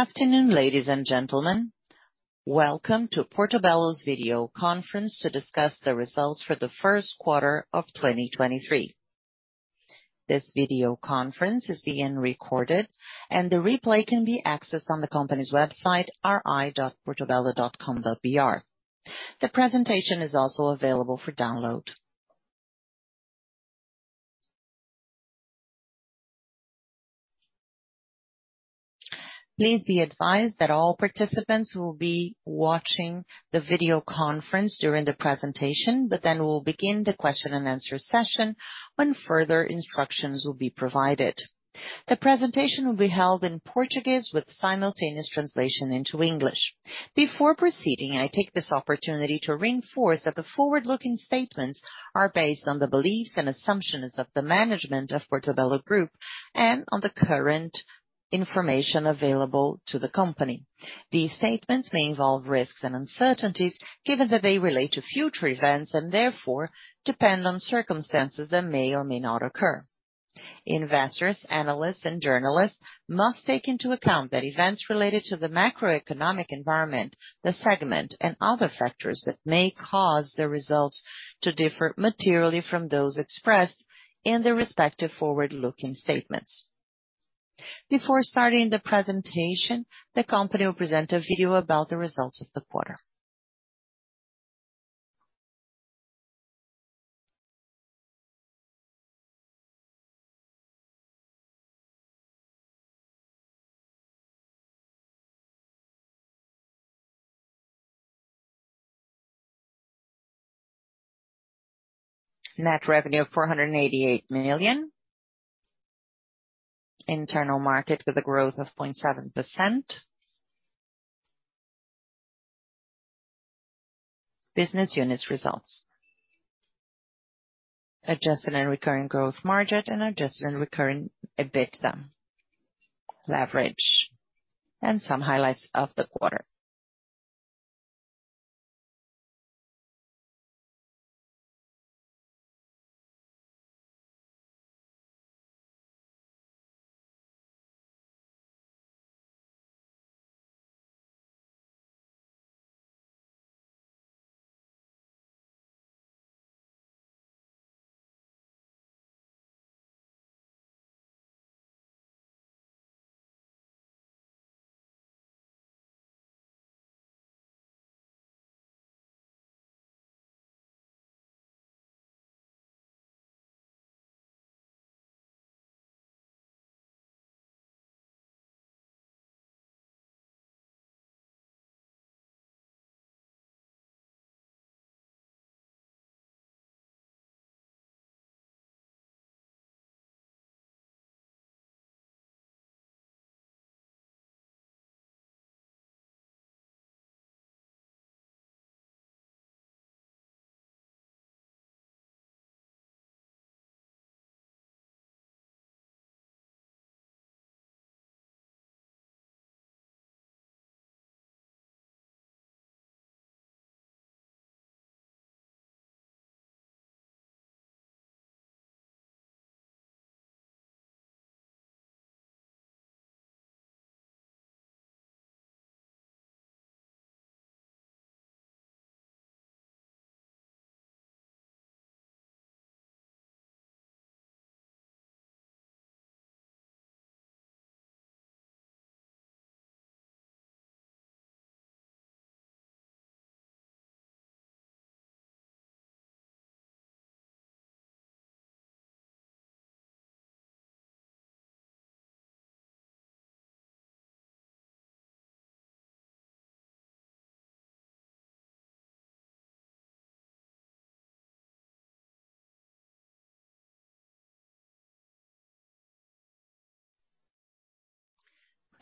Good afternoon, ladies and gentlemen. Welcome to Portobello's video conference to discuss the results for the first quarter of 2023. This video conference is being recorded and the replay can be accessed on the company's website, ri.portobello.com.br. The presentation is also available for download. Please be advised that all participants will be watching the video conference during the presentation, but then we'll begin the question and answer session when further instructions will be provided. The presentation will be held in Portuguese with simultaneous translation into English. Before proceeding, I take this opportunity to reinforce that the forward-looking statements are based on the beliefs and assumptions of the management of Portobello Group and on the current information available to the company. These statements may involve risks and uncertainties given that they relate to future events and therefore depend on circumstances that may or may not occur. Investors, analysts, and journalists must take into account that events related to the macroeconomic environment, the segment, and other factors that may cause their results to differ materially from those expressed in the respective forward-looking statements. Before starting the presentation, the company will present a video about the results of the quarter. Net revenue of 488 million. Internal market with a growth of 0.7%. Business units results. Adjusted and recurring growth margin and adjusted and recurring EBITDA. Leverage. Some highlights of the quarter.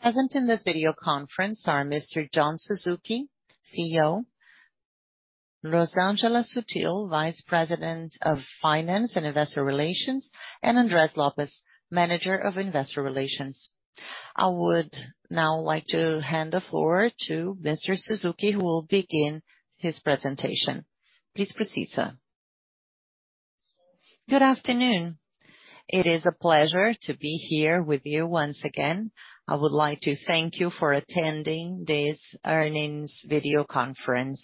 Present in this video conference are Mr. John Suzuki, CEO, Rosângela Sutil, Vice President of Finance and Investor Relations, and Andrés López, Manager of Investor Relations. I would now like to hand the floor to Mr. Suzuki, who will begin his presentation. Please proceed, sir. Good afternoon. It is a pleasure to be here with you once again. I would like to thank you for attending this earnings video conference,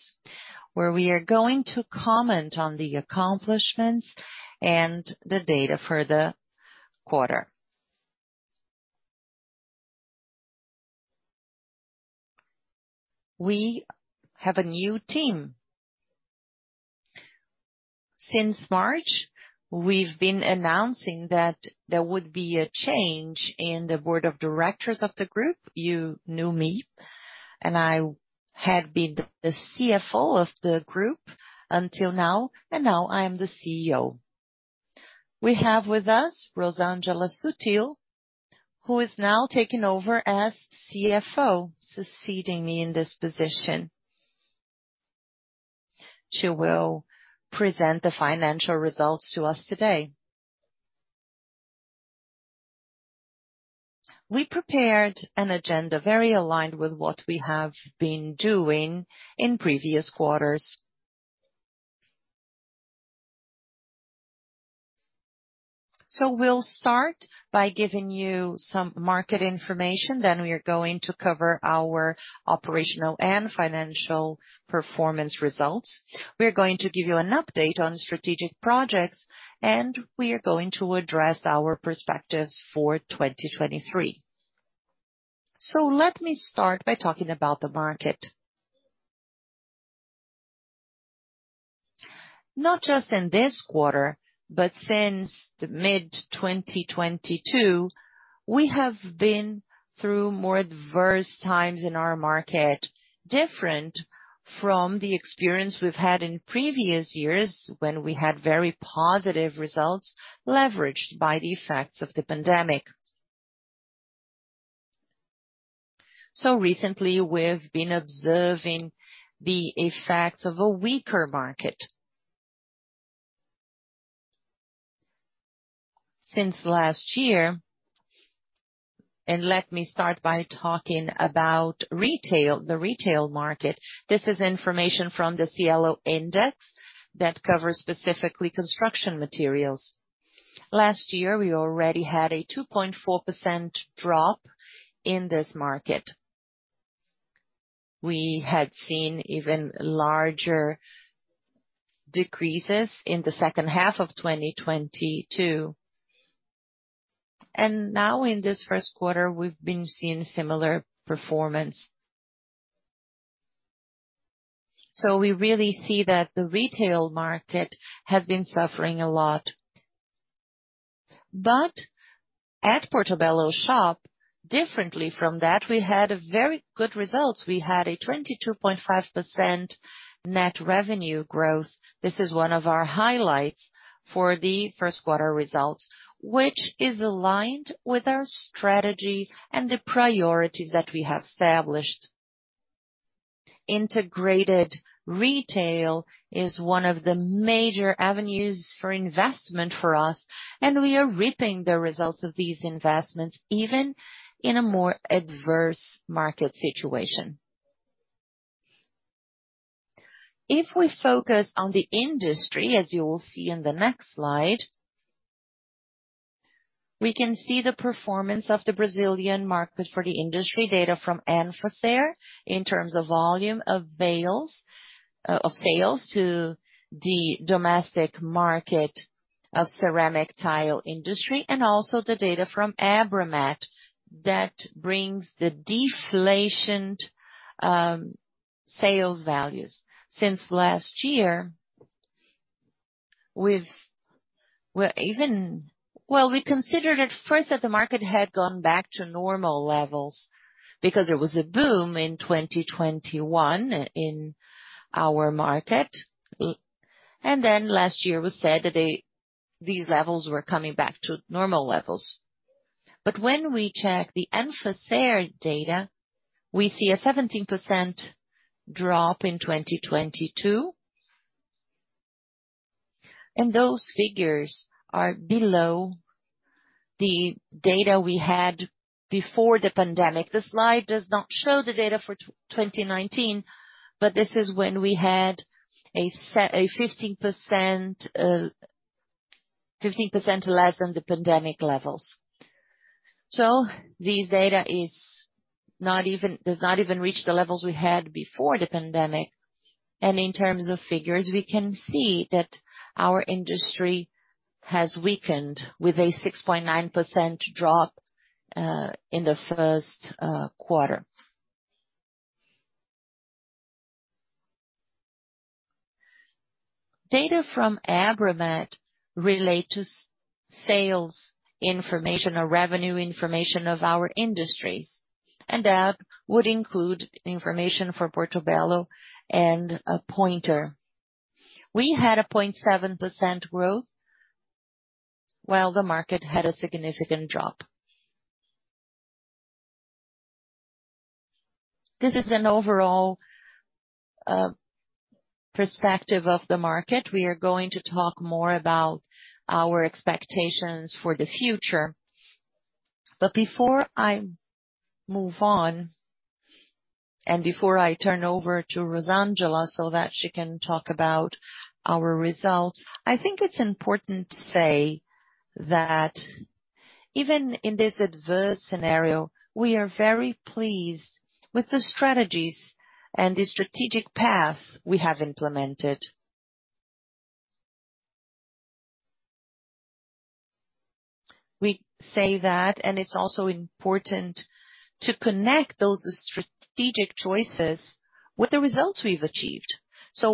where we are going to comment on the accomplishments and the data for the quarter. We have a new team. Since March, we've been announcing that there would be a change in the board of directors of the Group. You knew me, I had been the CFO of the Group until now, and now I am the CEO. We have with us Rosângela Sutil, who is now taking over as CFO, succeeding me in this position. She will present the financial results to us today. We prepared an agenda very aligned with what we have been doing in previous quarters. We'll start by giving you some market information, we are going to cover our operational and financial performance results. We are going to give you an update on strategic projects, and we are going to address our perspectives for 2023. Let me start by talking about the market. Not just in this quarter, but since the mid-2022, we have been through more adverse times in our market, different from the experience we've had in previous years, when we had very positive results leveraged by the effects of the pandemic. Recently, we've been observing the effects of a weaker market. Since last year, and let me start by talking about retail, the retail market. This is information from the CLO index that covers specifically construction materials. Last year, we already had a 2.4% drop in this market. We had seen even larger decreases in the second half of 2022. Now in this first quarter, we've been seeing similar performance. We really see that the retail market has been suffering a lot. At Portobello Shop, differently from that, we had a very good results. We had a 22.5% net revenue growth. This is one of our highlights for the first quarter results, which is aligned with our strategy and the priorities that we have established. Integrated retail is one of the major avenues for investment for us, and we are reaping the results of these investments even in a more adverse market situation. If we focus on the industry, as you will see in the next slide, we can see the performance of the Brazilian market for the industry data from ANFACER in terms of volume of sales to the domestic market of ceramic tile industry, and also the data from ABRAMAT that brings the deflated sales values. Well, we considered at first that the market had gone back to normal levels because there was a boom in 2021 in our market. Last year, we said that these levels were coming back to normal levels. When we check the ANFACER data, we see a 17% drop in 2022. Those figures are below the data we had before the pandemic. The slide does not show the data for 2019, this is when we had a 15% less than the pandemic levels. This data does not even reach the levels we had before the pandemic. In terms of figures, we can see that our industry has weakened with a 6.9% drop in the first quarter. Data from ABRAMAT relate to sales information or revenue information of our industries, and that would include information for Portobello and Pointer. We had a 0.7% growth while the market had a significant drop. This is an overall perspective of the market. We are going to talk more about our expectations for the future. Before I move on, and before I turn over to Rosângela so that she can talk about our results, I think it's important to say that even in this adverse scenario, we are very pleased with the strategies and the strategic path we have implemented. We say that, it's also important to connect those strategic choices with the results we've achieved.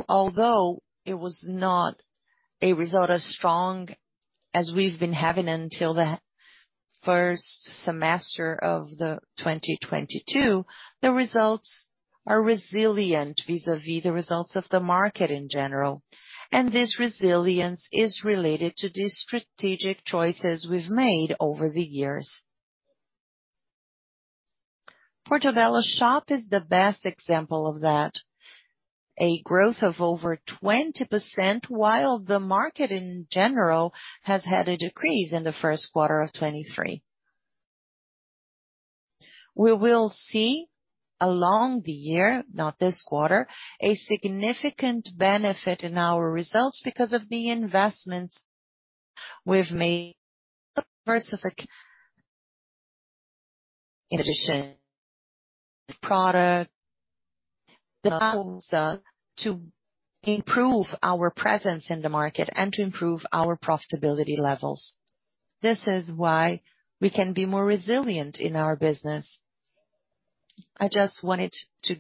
Although it was not a result as strong as we've been having until the first semester of 2022, the results are resilient vis-à-vis the results of the market in general. This resilience is related to the strategic choices we've made over the years. Portobello Shop is the best example of that. A growth of over 20% while the market in general has had a decrease in the first quarter of 2023. We will see along the year, not this quarter, a significant benefit in our results because of the investments we've made. In addition, product to improve our presence in the market and to improve our profitability levels. This is why we can be more resilient in our business. I just wanted to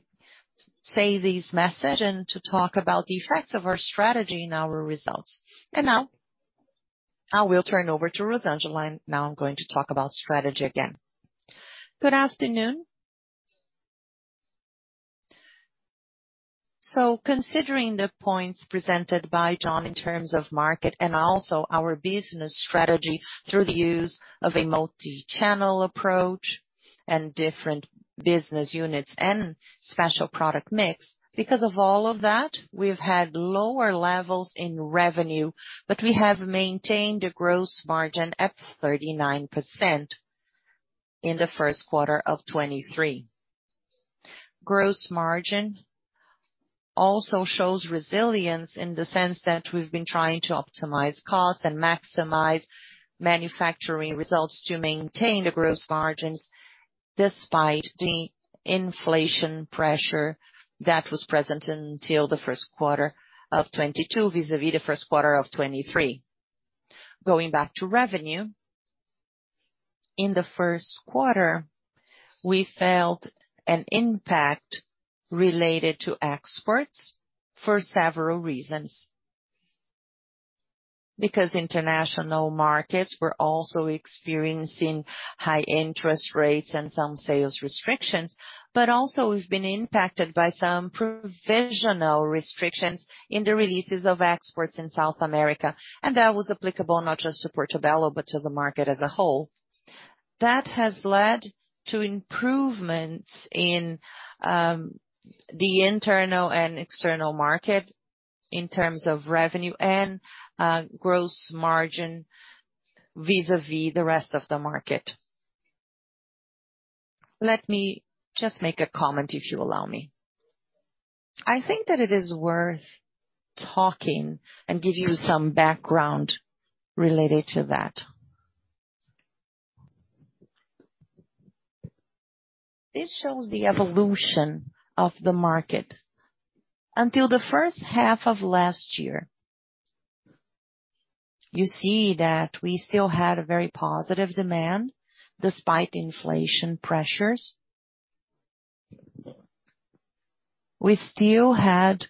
say this message and to talk about the effects of our strategy in our results. I will turn over to Rosângela, and now I'm going to talk about strategy again. Good afternoon. Considering the points presented by John in terms of market and also our business strategy through the use of a multi-channel approach and different business units and special product mix. Of all of that, we've had lower levels in revenue, but we have maintained a gross margin at 39% in the first quarter of 2023. Gross margin also shows resilience in the sense that we've been trying to optimize costs and maximize manufacturing results to maintain the gross margins despite the inflation pressure that was present until the first quarter of 2022 vis-à-vis the first quarter of 2023. Going back to revenue. In the first quarter, we felt an impact related to exports for several reasons. International markets were also experiencing high interest rates and some sales restrictions, but also we've been impacted by some provisional restrictions in the releases of exports in South America. That was applicable not just to Portobello, but to the market as a whole. That has led to improvements in the internal and external market in terms of revenue and gross margin vis-à-vis the rest of the market. Let me just make a comment, if you allow me. I think that it is worth talking and give you some background related to that. This shows the evolution of the market. Until the first half of last year, you see that we still had a very positive demand despite inflation pressures. We still had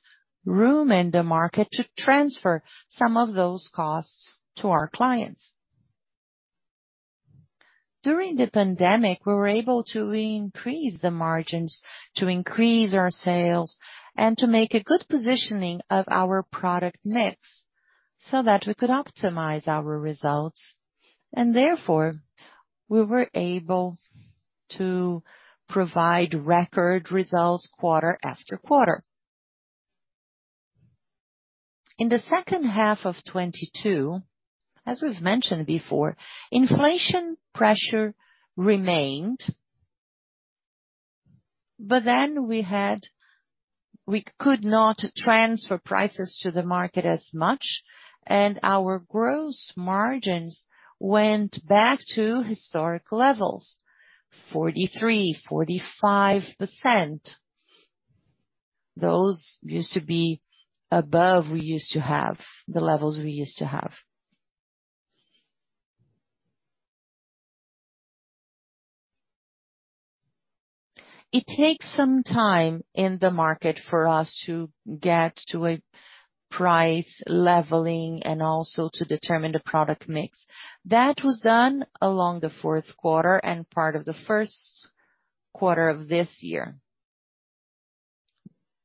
room in the market to transfer some of those costs to our clients. During the pandemic, we were able to increase the margins to increase our sales and to make a good positioning of our product mix so that we could optimize our results. Therefore, we were able to provide record results quarter after quarter. In the second half of 2022, as we've mentioned before, inflation pressure remained. We could not transfer prices to the market as much, and our gross margins went back to historic levels, 43%, 45%. Those used to be above the levels we used to have. It takes some time in the market for us to get to a price leveling and also to determine the product mix. That was done along the fourth quarter and part of the first quarter of this year.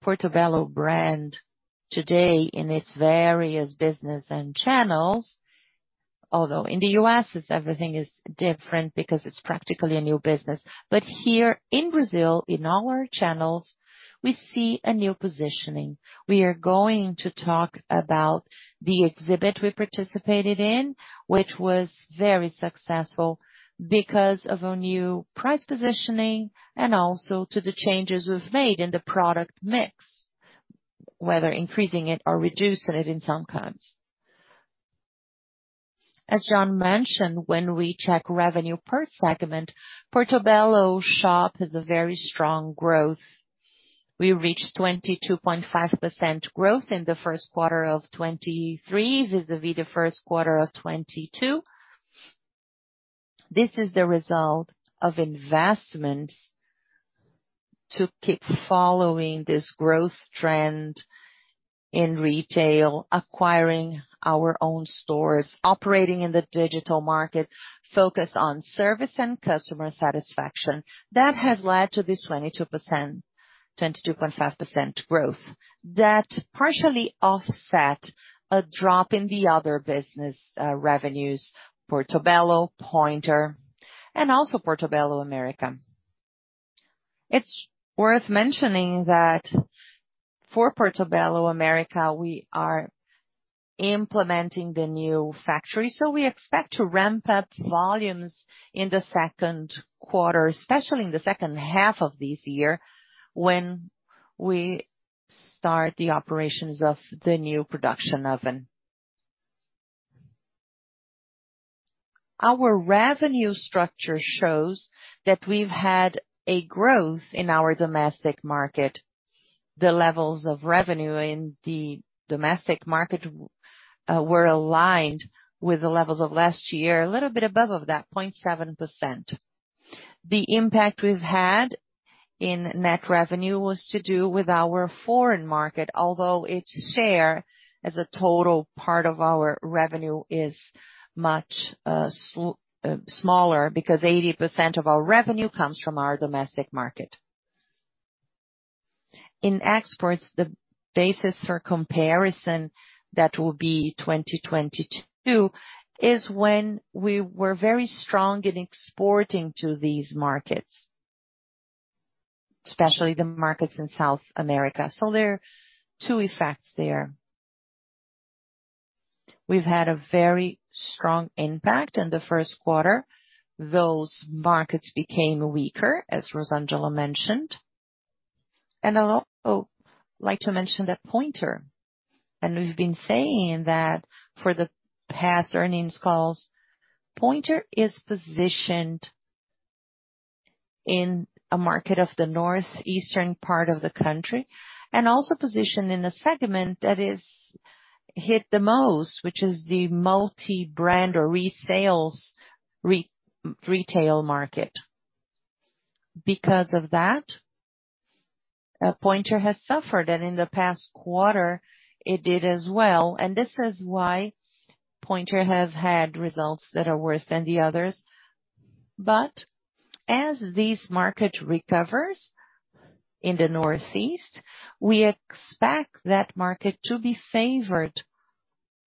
Portobello brand today in its various business and channels, although in the U.S., everything is different because it's practically a new business. Here in Brazil, in our channels, we see a new positioning. We are going to talk about the exhibit we participated in, which was very successful because of a new price positioning and also to the changes we've made in the product mix, whether increasing it or reducing it in some counts. As John mentioned, when we check revenue per segment, Portobello Shop has a very strong growth. We reached 22.5% growth in the first quarter of 2023 vis-à-vis the first quarter of 2022. This is the result of investments to keep following this growth trend in retail, acquiring our own stores, operating in the digital market, focus on service and customer satisfaction. That has led to this 22.5% growth. Partially offset a drop in the other business revenues, Portobello, Pointer, and also Portobello America. It's worth mentioning that for Portobello America, we are implementing the new factory, so we expect to ramp up volumes in the second quarter, especially in the second half of this year when we start the operations of the new production oven. Our revenue structure shows that we've had a growth in our domestic market. The levels of revenue in the domestic market were aligned with the levels of last year, a little bit above of that 0.7%. The impact we've had in net revenue was to do with our foreign market. Its share as a total part of our revenue is much smaller because 80% of our revenue comes from our domestic market. In exports, the basis for comparison that will be 2022 is when we were very strong in exporting to these markets, especially the markets in South America. There are two effects there. We've had a very strong impact in the first quarter. Those markets became weaker, as Rosângela mentioned. I'd also like to mention that Pointer, and we've been saying that for the past earnings calls, Pointer is positioned in a market of the northeastern part of the country, and also positioned in a segment that is hit the most, which is the multi-brand or resales, re-retail market. Because of that, Pointer has suffered. In the past quarter, it did as well. This is why Pointer has had results that are worse than the others. As this market recovers in the Northeast, we expect that market to be favored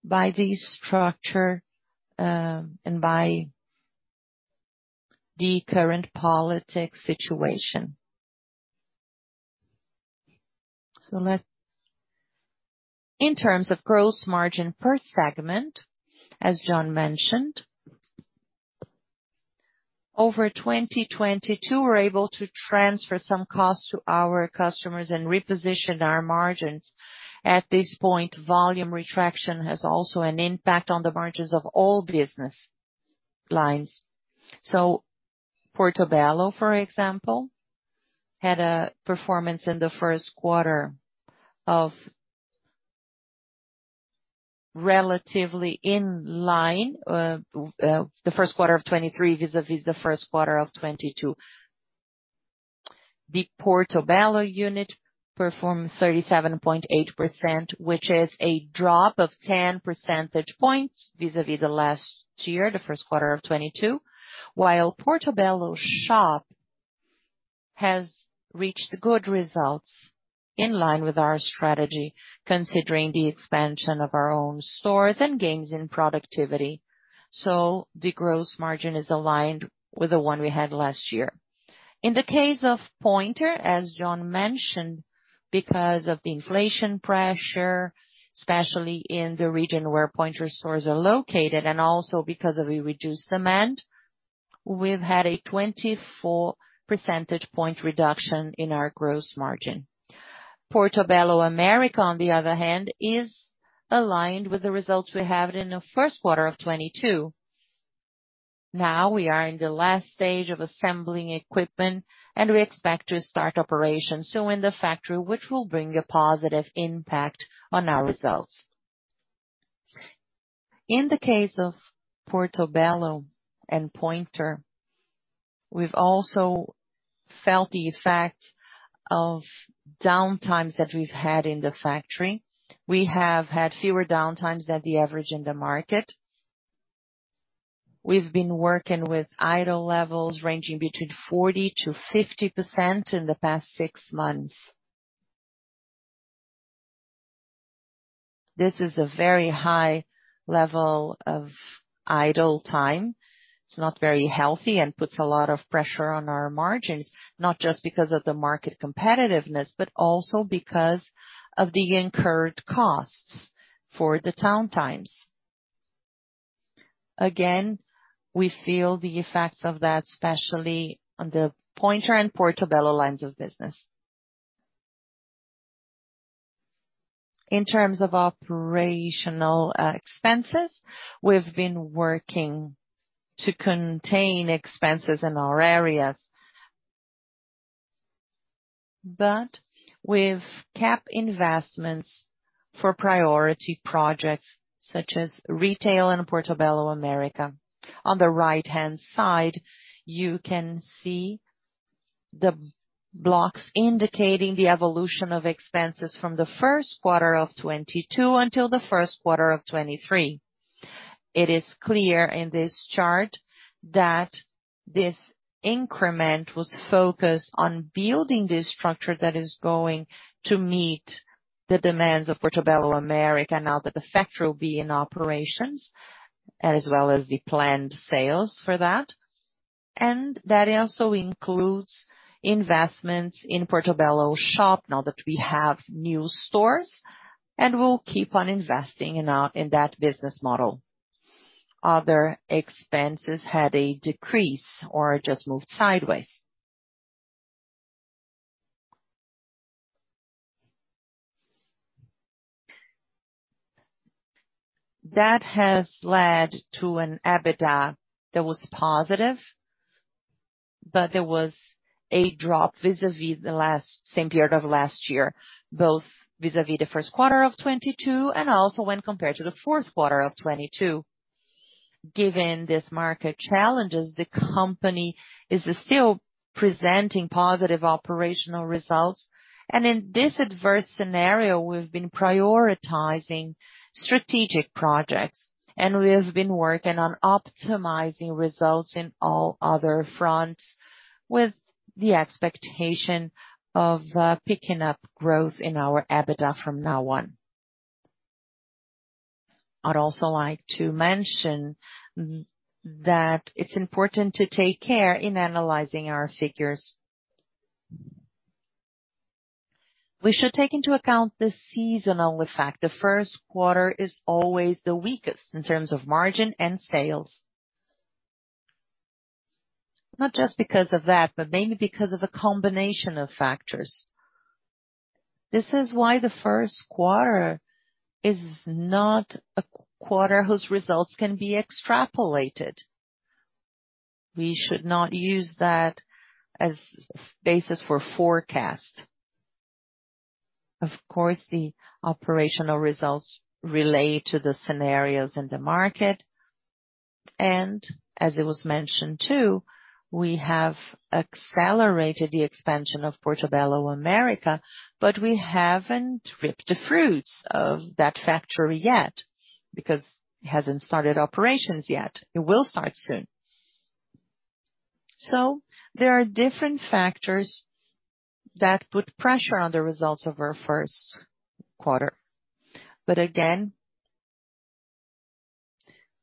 by the structure and by the current politics situation. In terms of gross margin per segment, as John mentioned, over 2022, we're able to transfer some costs to our customers and reposition our margins. At this point, volume retraction has also an impact on the margins of all business lines. Portobello, for example, had a performance in the first quarter of relatively in line, the first quarter of 2023, vis-a-vis the first quarter of 2022. The Portobello unit performed 37.8%, which is a drop of 10 percentage points vis-a-vis the last year, the first quarter of 2022, while Portobello Shop has reached good results in line with our strategy, considering the expansion of our own stores and gains in productivity. The gross margin is aligned with the one we had last year. In the case of Pointer, as John mentioned, because of the inflation pressure, especially in the region where Pointer stores are located, and also because of a reduced demand, we've had a 24 percentage point reduction in our gross margin. Portobello America, on the other hand, is aligned with the results we have in the first quarter of 2022. Now we are in the last stage of assembling equipment, and we expect to start operations soon in the factory, which will bring a positive impact on our results. In the case of Portobello and Pointer, we've also felt the effect of downtimes that we've had in the factory. We have had fewer downtimes than the average in the market. We've been working with idle levels ranging between 40%-50% in the past six months. This is a very high level of idle time. It's not very healthy and puts a lot of pressure on our margins, not just because of the market competitiveness, but also because of the incurred costs for the downtimes. Again, we feel the effects of that, especially on the Pointer and Portobello lines of business. In terms of operational expenses, we've been working to contain expenses in our areas. With cap investments for priority projects such as retail and Portobello America. On the right-hand side, you can see the blocks indicating the evolution of expenses from the first quarter of 2022 until the first quarter of 2023. It is clear in this chart that this increment was focused on building this structure that is going to meet the demands of Portobello America now that the factory will be in operations, as well as the planned sales for that. That also includes investments in Portobello Shop now that we have new stores, and we'll keep on investing in that business model. Other expenses had a decrease or just moved sideways. That has led to an EBITDA that was positive, but there was a drop vis-a-vis the same period of last year, both vis-a-vis the first quarter of 2022, and also when compared to the fourth quarter of 2022. Given these market challenges, the company is still presenting positive operational results. In this adverse scenario, we've been prioritizing strategic projects. We have been working on optimizing results in all other fronts, with the expectation of picking up growth in our EBITDA from now on. I'd also like to mention that it's important to take care in analyzing our figures. We should take into account the seasonal effect. The first quarter is always the weakest in terms of margin and sales. Not just because of that, but mainly because of a combination of factors. This is why the first quarter is not a quarter whose results can be extrapolated. We should not use that as basis for forecast. Of course, the operational results relate to the scenarios in the market. As it was mentioned too, we have accelerated the expansion of Portobello America, but we haven't reaped the fruits of that factory yet because it hasn't started operations yet. It will start soon. There are different factors that put pressure on the results of our first quarter. Again,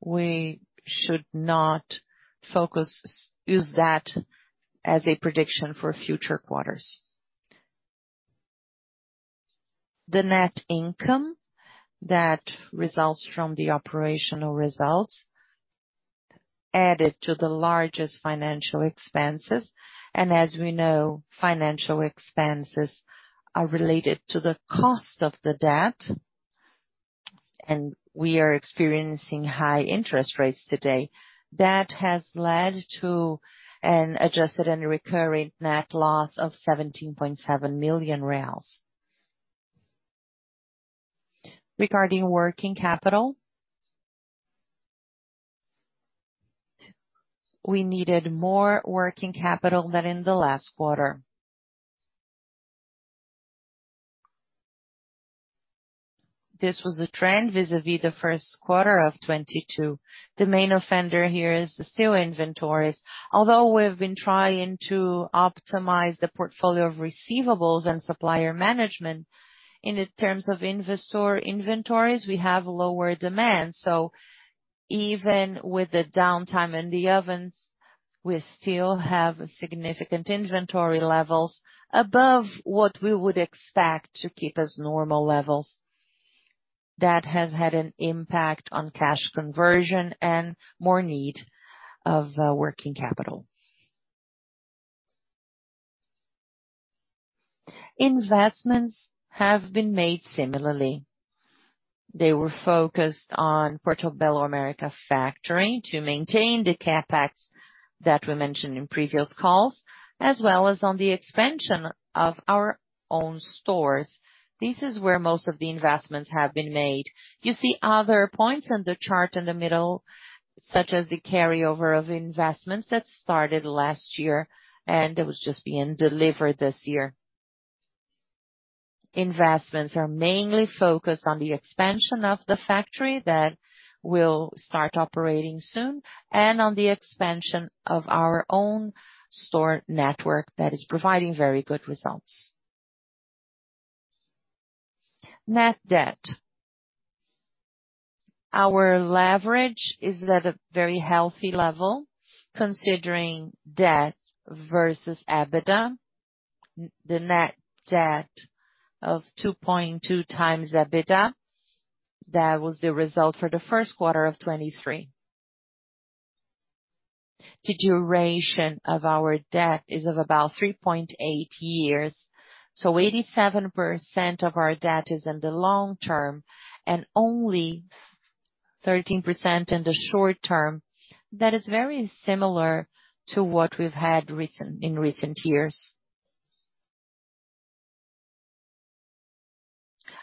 we should not use that as a prediction for future quarters. The net income that results from the operational results added to the largest financial expenses. As we know, financial expenses are related to the cost of the debt, and we are experiencing high interest rates today. That has led to an adjusted and recurring net loss of 17.7 million. Regarding working capital. We needed more working capital than in the last quarter. This was a trend vis-a-vis the first quarter of 2022. The main offender here is the steel inventories. Although we have been trying to optimize the portfolio of receivables and supplier management, in terms of investor inventories, we have lower demand. Even with the downtime in the ovens, we still have significant inventory levels above what we would expect to keep as normal levels. That has had an impact on cash conversion and more need of working capital. Investments have been made similarly. They were focused on Portobello America factory to maintain the CapEx that we mentioned in previous calls, as well as on the expansion of our own stores. This is where most of the investments have been made. You see other points on the chart in the middle, such as the carryover of investments that started last year. It was just being delivered this year. Investments are mainly focused on the expansion of the factory that will start operating soon and on the expansion of our own store network that is providing very good results. Net debt. Our leverage is at a very healthy level, considering debt versus EBITDA. The net debt of 2.2x EBITDA. That was the result for the first quarter of 2023. The duration of our debt is of about 3.8 years, 87% of our debt is in the long term and only 13% in the short term. That is very similar to what we've had in recent years.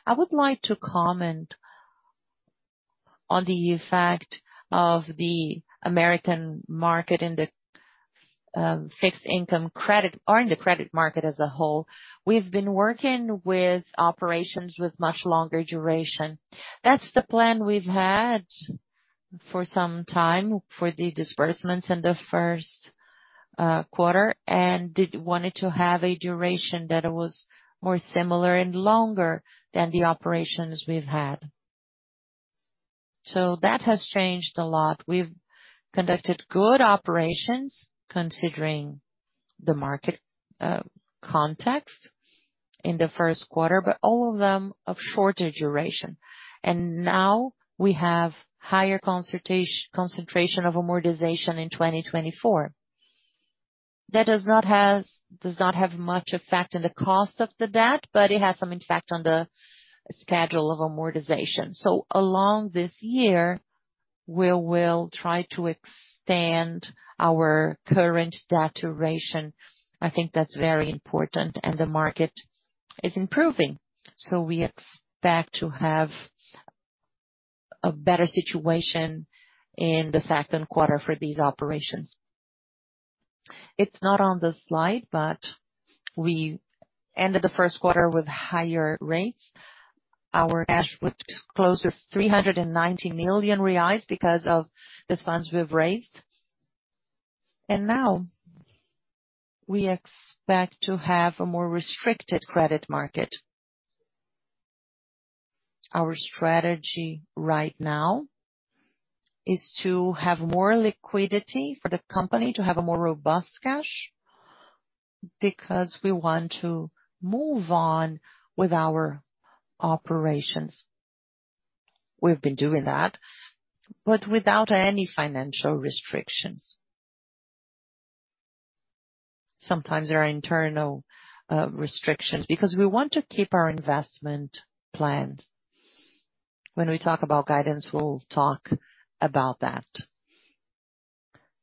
I would like to comment on the effect of the American market in the fixed income credit or in the credit market as a whole. We've been working with operations with much longer duration. That's the plan we've had for some time for the disbursements in the first quarter, wanted to have a duration that was more similar and longer than the operations we've had. That has changed a lot. We've conducted good operations considering the market context in the first quarter, all of them of shorter duration. Now we have higher concentration of amortization in 2024. That does not have much effect on the cost of the debt, but it has some effect on the schedule of amortization. Along this year, we will try to extend our current debt duration. I think that's very important and the market is improving. We expect to have a better situation in the second quarter for these operations. It's not on the slide, but we ended the first quarter with higher rates. Our cash was close to 390 million reais because of these funds we've raised. Now we expect to have a more restricted credit market. Our strategy right now is to have more liquidity for the company to have a more robust cash, because we want to move on with our operations. We've been doing that, but without any financial restrictions. Sometimes there are internal restrictions because we want to keep our investment planned. When we talk about guidance, we'll talk about that.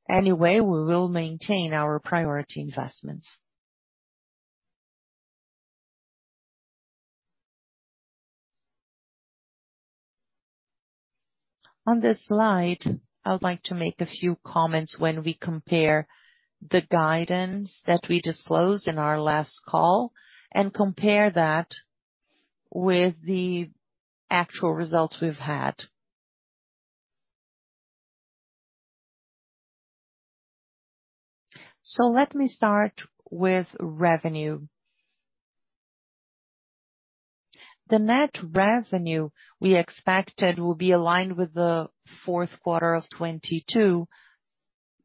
We will maintain our priority investments. On this slide, I would like to make a few comments when we compare the guidance that we disclosed in our last call and compare that with the actual results we've had. Let me start with revenue. The net revenue we expected will be aligned with the fourth quarter of 2022.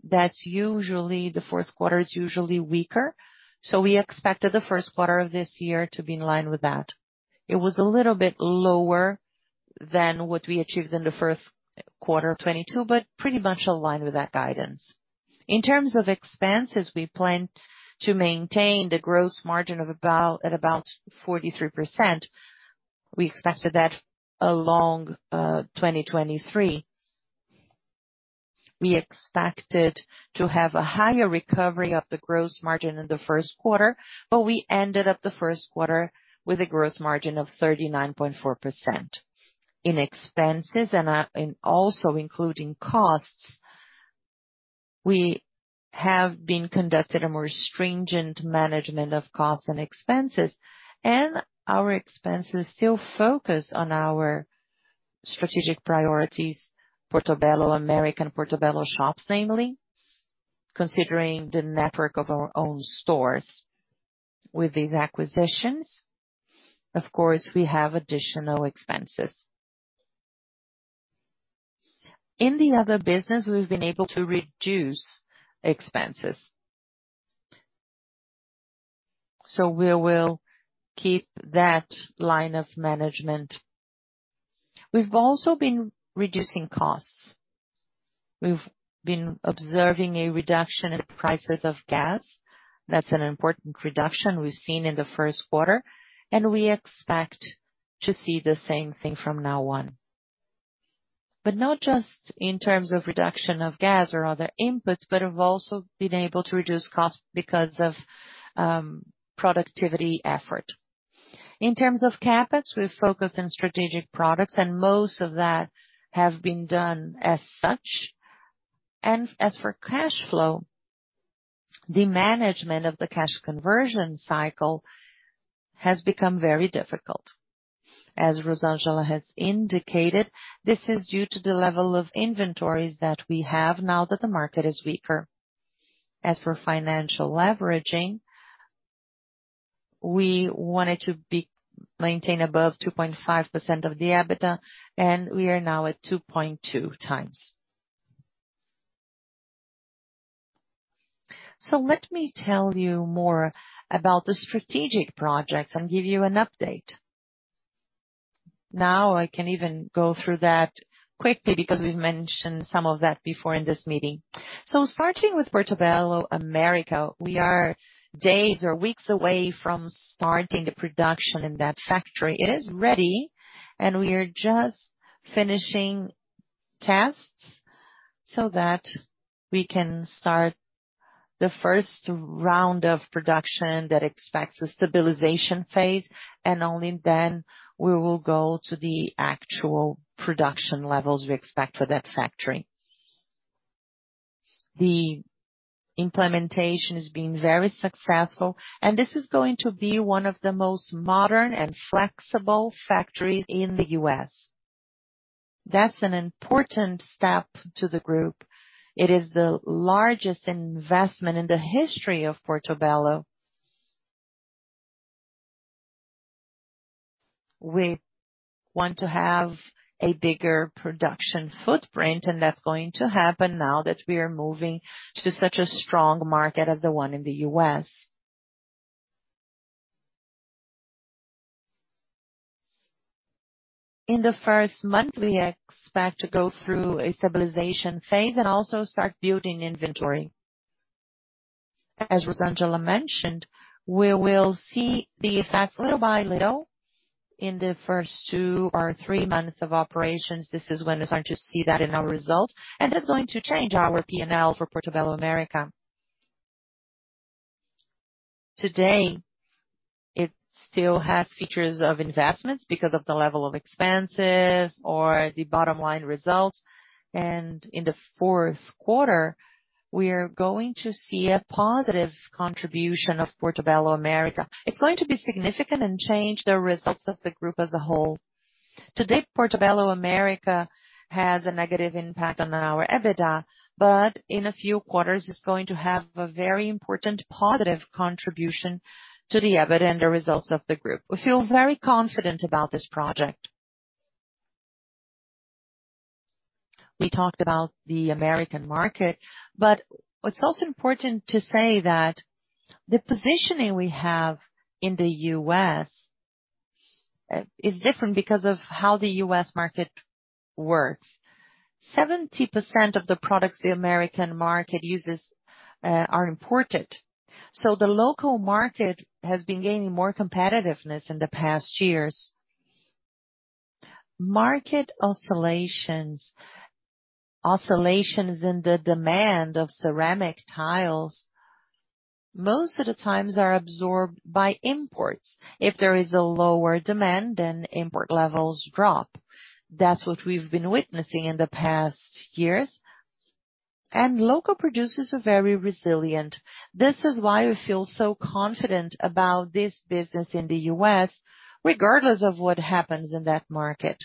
The fourth quarter is usually weaker, we expected the first quarter of this year to be in line with that. It was a little bit lower than what we achieved in the first quarter of 2022, pretty much aligned with that guidance. In terms of expenses, we plan to maintain the gross margin at about 43%. We expected that along 2023. We expected to have a higher recovery of the gross margin in the first quarter, we ended up the first quarter with a gross margin of 39.4%. In expenses and also including costs, we have been conducting a more stringent management of costs and expenses, our expenses still focus on our strategic priorities, Portobello America and Portobello Shops, namely, considering the network of our own stores. With these acquisitions, of course, we have additional expenses. In the other business, we've been able to reduce expenses. We will keep that line of management. We've also been reducing costs. We've been observing a reduction in prices of gas. That's an important reduction we've seen in the first quarter, we expect to see the same thing from now on. Not just in terms of reduction of gas or other inputs, but we've also been able to reduce costs because of productivity effort. In terms of CapEx, we've focused on strategic products, and most of that have been done as such. As for cash flow, the management of the cash conversion cycle has become very difficult. As Rosângela has indicated, this is due to the level of inventories that we have now that the market is weaker. As for financial leveraging, we wanted to maintain above 2.5% of the EBITDA, and we are now at 2.2x. Let me tell you more about the strategic projects and give you an update. I can even go through that quickly because we've mentioned some of that before in this meeting. Starting with Portobello America, we are days or weeks away from starting the production in that factory. It is ready, and we are just finishing tests so that we can start the first round of production that expects a stabilization phase, and only then we will go to the actual production levels we expect for that factory. The implementation is being very successful, and this is going to be one of the most modern and flexible factories in the U.S. That's an important step to the Group. It is the largest investment in the history of Portobello. We want to have a bigger production footprint, and that's going to happen now that we are moving to such a strong market as the one in the U.S. In the first month, we expect to go through a stabilization phase and also start building inventory. As Rosângela mentioned, we will see the effect little by little in the first two or three months of operations. This is when I start to see that in our results, and that's going to change our P&L for Portobello America. Today, it still has features of investments because of the level of expenses or the bottom line results. In the fourth quarter, we are going to see a positive contribution of Portobello America. It's going to be significant and change the results of the group as a whole. Today, Portobello America has a negative impact on our EBITDA, but in a few quarters, it's going to have a very important positive contribution to the EBITDA and the results of the group. We feel very confident about this project. We talked about the American market, what's also important to say that the positioning we have in the U.S. is different because of how the U.S. market works. 70% of the products the American market uses are imported. The local market has been gaining more competitiveness in the past years. Market oscillations in the demand of ceramic tiles, most of the times are absorbed by imports. If there is a lower demand, then import levels drop. That's what we've been witnessing in the past years. Local producers are very resilient. This is why we feel so confident about this business in the U.S., regardless of what happens in that market.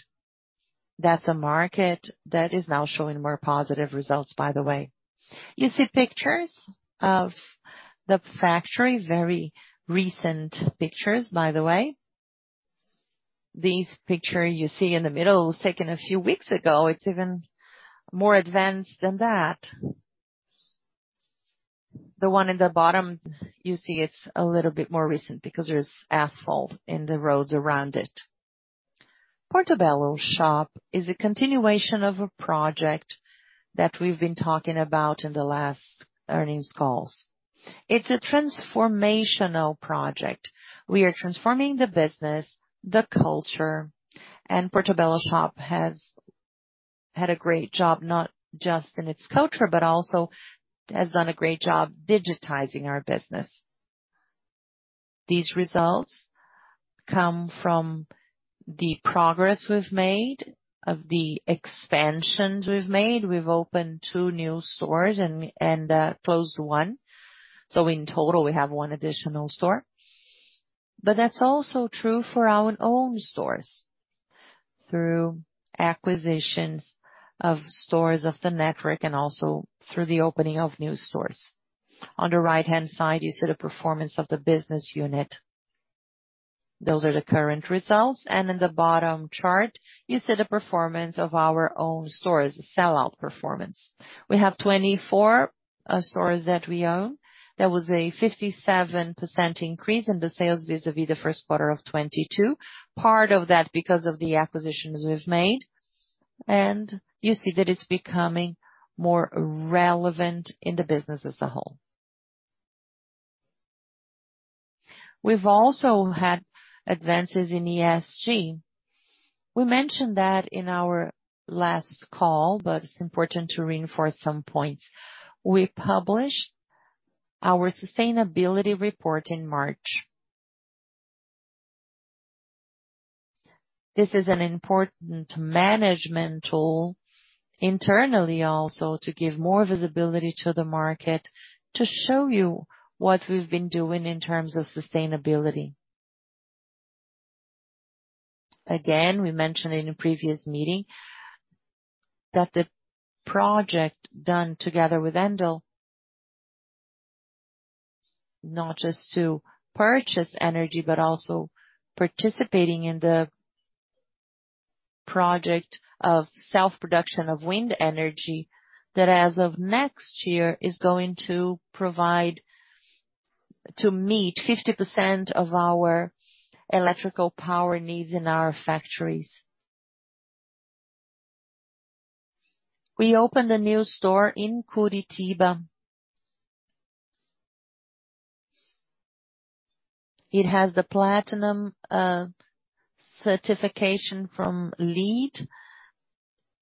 That's a market that is now showing more positive results, by the way. You see pictures of the factory, very recent pictures, by the way. This picture you see in the middle was taken a few weeks ago. It's even more advanced than that. The one in the bottom you see it's a little bit more recent because there's asphalt in the roads around it. Portobello Shop is a continuation of a project that we've been talking about in the last earnings calls. It's a transformational project. We are transforming the business, the culture, and Portobello Shop has had a great job, not just in its culture, but also has done a great job digitizing our business. These results come from the progress we've made, of the expansions we've made. We've opened two new stores and closed one. In total, we have one additional store. That's also true for our own stores. Through acquisitions of stores of the network and also through the opening of new stores. On the right-hand side, you see the performance of the business unit. Those are the current results. In the bottom chart, you see the performance of our own stores, the sellout performance. We have 24 stores that we own. There was a 57% increase in the sales vis-à-vis the first quarter of 2022. Part of that because of the acquisitions we've made, and you see that it's becoming more relevant in the business as a whole. We've also had advances in ESG. We mentioned that in our last call, but it's important to reinforce some points. We published our sustainability report in March. This is an important management tool internally also to give more visibility to the market, to show you what we've been doing in terms of sustainability. We mentioned in a previous meeting that the project done together with Enel, not just to purchase energy, but also participating in the project of self-production of wind energy, that as of next year is going to provide to meet 50% of our electrical power needs in our factories. We opened a new store in Curitiba. It has the platinum certification from LEED.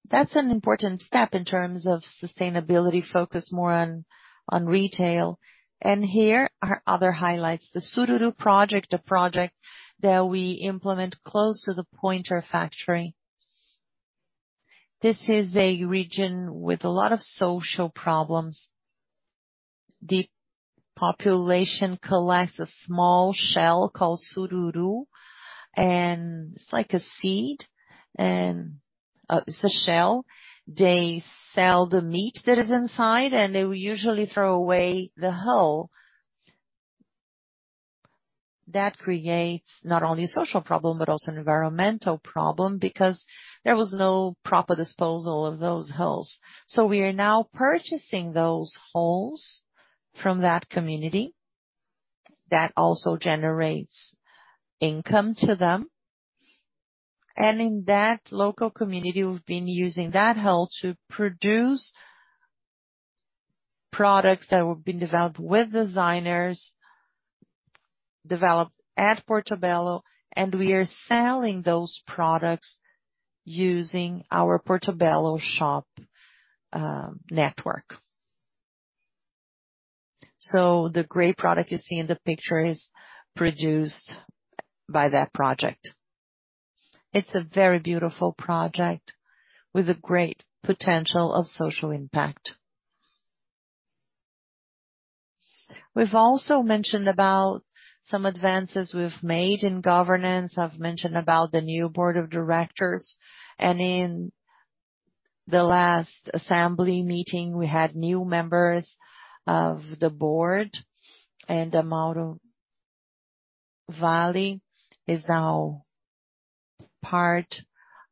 That's an important step in terms of sustainability, focused more on retail. Here are other highlights: the Sururu project, a project that we implement close to the Pointer factory. This is a region with a lot of social problems. The population collects a small shell called sururu, and it's like a seed and it's a shell. They sell the meat that is inside, and they will usually throw away the hull. That creates not only a social problem, but also an environmental problem, because there was no proper disposal of those hulls. We are now purchasing those hulls from that community. That also generates income to them. In that local community, we've been using that hull to produce products that have been developed with designers, developed at Portobello, and we are selling those products using our Portobello Shop network. The gray product you see in the picture is produced by that project. It's a very beautiful project with a great potential of social impact. We've also mentioned about some advances we've made in governance. I've mentioned about the new board of directors. In the last assembly meeting, we had new members of the board, and Mauro Vale is now part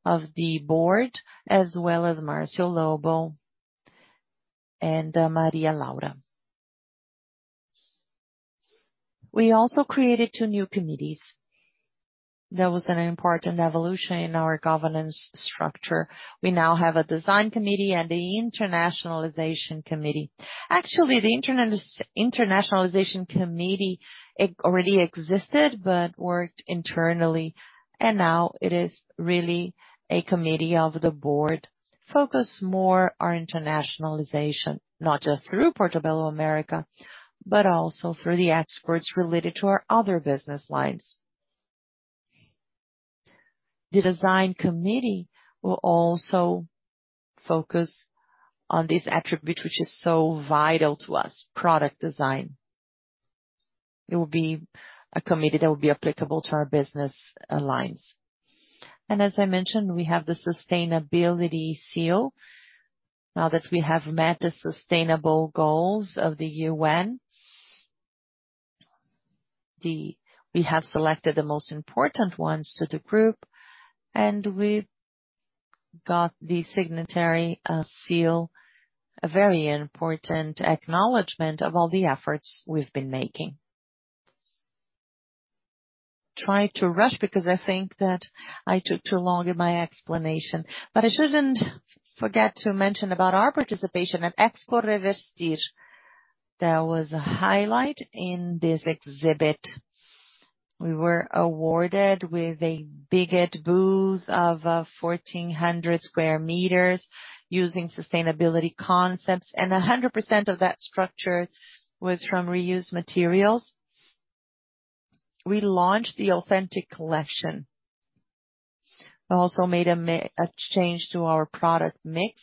of the board, as well as Marcio Lobo and Maria Laura. We also created two new committees. That was an important evolution in our governance structure. We now have a Design Committee and a Internationalization Committee. Actually, the Internationalization Committee already existed but worked internally, and now it is really a committee of the board. Focus more our internationalization, not just through Portobello America, but also through the exports related to our other business lines. The Design Committee will also focus on this attribute which is so vital to us: product design. It will be a committee that will be applicable to our business lines. As I mentioned, we have the sustainability seal. Now that we have met the sustainable goals of the UN, we have selected the most important ones to the group, and we got the signatory seal, a very important acknowledgement of all the efforts we've been making. Try to rush because I think that I took too long in my explanation. I shouldn't forget to mention about our participation at Expo Revestir. That was a highlight in this exhibit. We were awarded with a big booth of 1,400 square meters using sustainability concepts, and 100% of that structure was from reused materials. We launched the Authentic collection. We also made a change to our product mix.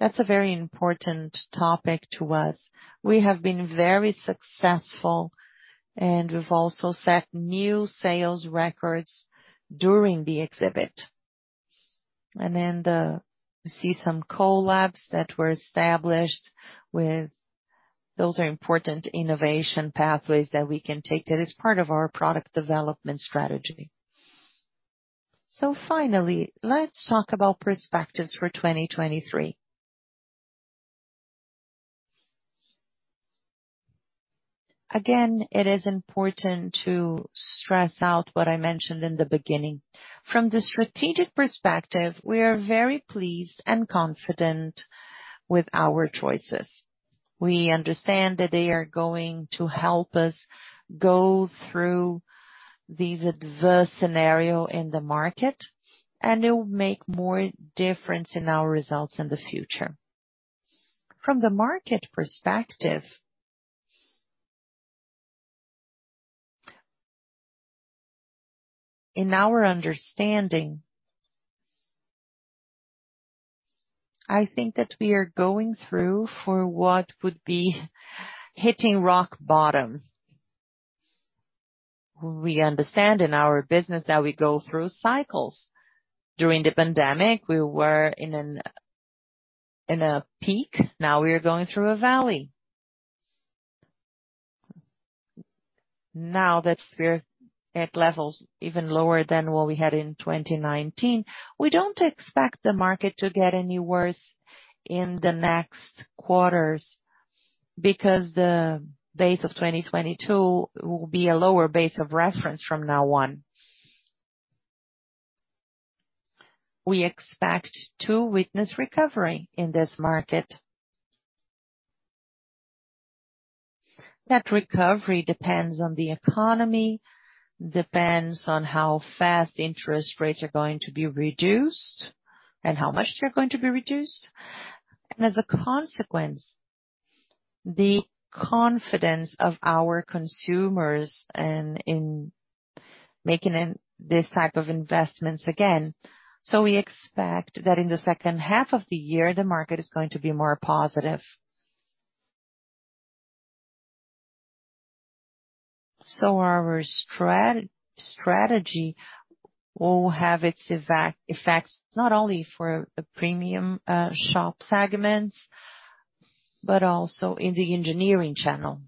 That's a very important topic to us. We have been very successful, and we've also set new sales records during the exhibit. you see some collabs that were established with – those are important innovation pathways that we can take. That is part of our product development strategy. Finally, let's talk about perspectives for 2023. Again, it is important to stress out what I mentioned in the beginning. From the strategic perspective, we are very pleased and confident with our choices. We understand that they are going to help us go through this adverse scenario in the market. It will make more difference in our results in the future. From the market perspective, in our understanding, I think that we are going through for what would be hitting rock bottom. We understand in our business that we go through cycles. During the pandemic, we were in a peak. Now we are going through a valley. Now that we're at levels even lower than what we had in 2019, we don't expect the market to get any worse in the next quarters because the base of 2022 will be a lower base of reference from now on. We expect to witness recovery in this market. That recovery depends on the economy, depends on how fast interest rates are going to be reduced and how much they're going to be reduced. As a consequence. The confidence of our consumers in making this type of investments again. We expect that in the second half of the year, the market is going to be more positive. Our strategy will have its effects not only for a premium shop segments, but also in the engineering channel.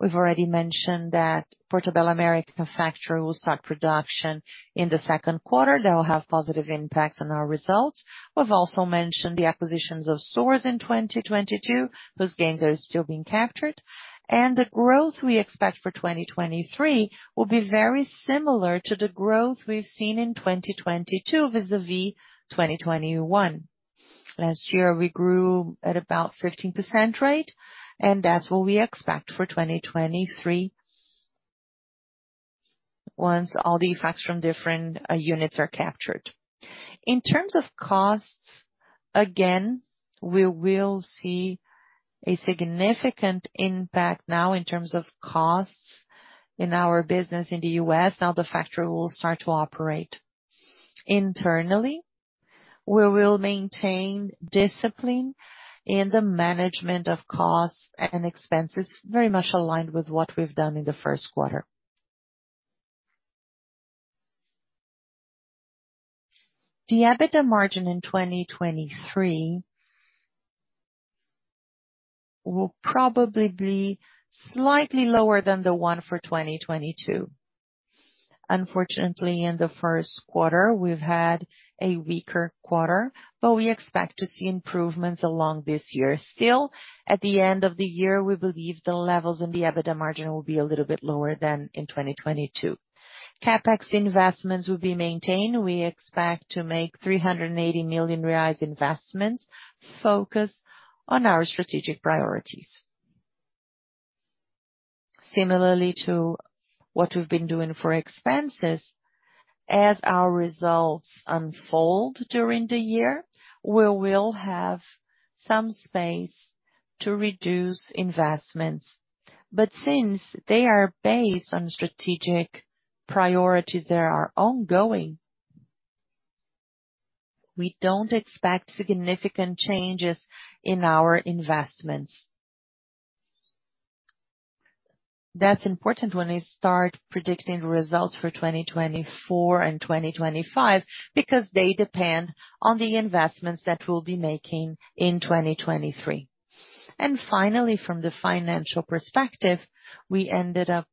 We've already mentioned that Portobello America factory will start production in the second quarter. That will have positive impacts on our results. We've also mentioned the acquisitions of stores in 2022. Those gains are still being captured. The growth we expect for 2023 will be very similar to the growth we've seen in 2022 vis-a-vis 2021. Last year we grew at about 15% rate, that's what we expect for 2023 once all the effects from different units are captured. In terms of costs, again, we will see a significant impact now in terms of costs in our business in the U.S. The factory will start to operate internally. We will maintain discipline in the management of costs and expenses, very much aligned with what we've done in the first quarter. The EBITDA margin in 2023 will probably be slightly lower than the one for 2022. Unfortunately, in the first quarter we've had a weaker quarter, but we expect to see improvements along this year. Still, at the end of the year, we believe the levels in the EBITDA margin will be a little bit lower than in 2022. CapEx investments will be maintained. We expect to make 380 million reais investments focused on our strategic priorities. Similarly to what we've been doing for expenses, as our results unfold during the year, we will have some space to reduce investments. Since they are based on strategic priorities that are ongoing, we don't expect significant changes in our investments. That's important when we start predicting results for 2024 and 2025, because they depend on the investments that we'll be making in 2023. Finally, from the financial perspective, we ended up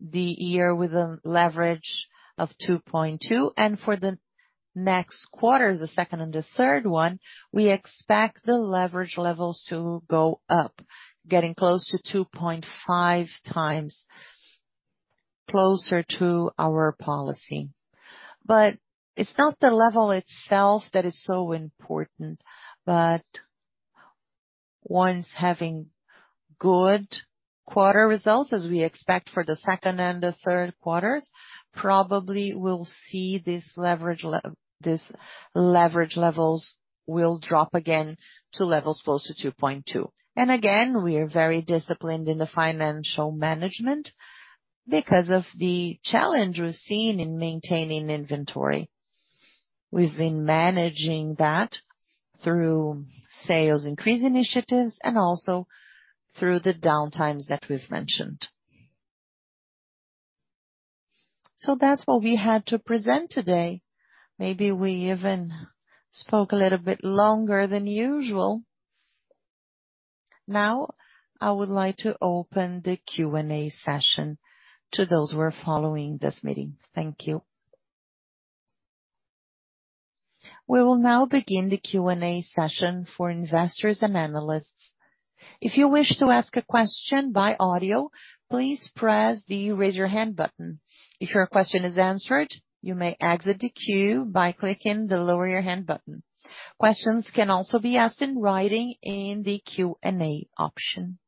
the year with a leverage of 2.2. For the next quarters, the second and the third, we expect the leverage levels to go up, getting close to 2.5x closer to our policy. It's not the level itself that is so important. Once having good quarter results, as we expect for the second and the third quarters, probably we'll see this leverage levels will drop again to levels close to 2.2. Again, we are very disciplined in the financial management because of the challenge we've seen in maintaining inventory. We've been managing that through sales increase initiatives and also through the downtimes that we've mentioned. That's what we had to present today. Maybe we even spoke a little bit longer than usual. I would like to open the Q&A session to those who are following this meeting. Thank you. We will begin the Q&A session for investors and analysts. If you wish to ask a question by audio, please press the Raise Your Hand button. If your question is answered, you may exit the queue by clicking the Lower Your Hand button. Questions can also be asked in writing in the Q&A option.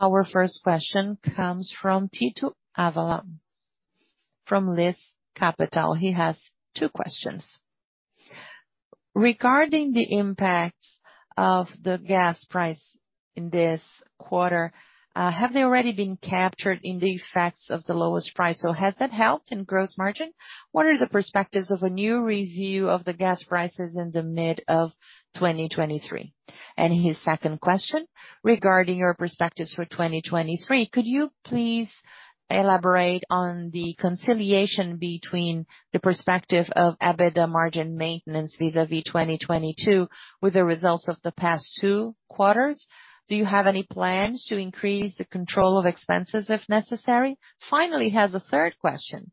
Our first question comes from Tito Labarta from Liz Capital. He has two questions. Regarding the impacts of the gas price in this quarter, have they already been captured in the effects of the lowest price? Has that helped in gross margin? What are the perspectives of a new review of the gas prices in the mid of 2023? His second question: regarding your perspectives for 2023, could you please elaborate on the conciliation between the perspective of EBITDA margin maintenance vis-a-vis 2022 with the results of the past two quarters? Do you have any plans to increase the control of expenses if necessary? Finally, he has a third question: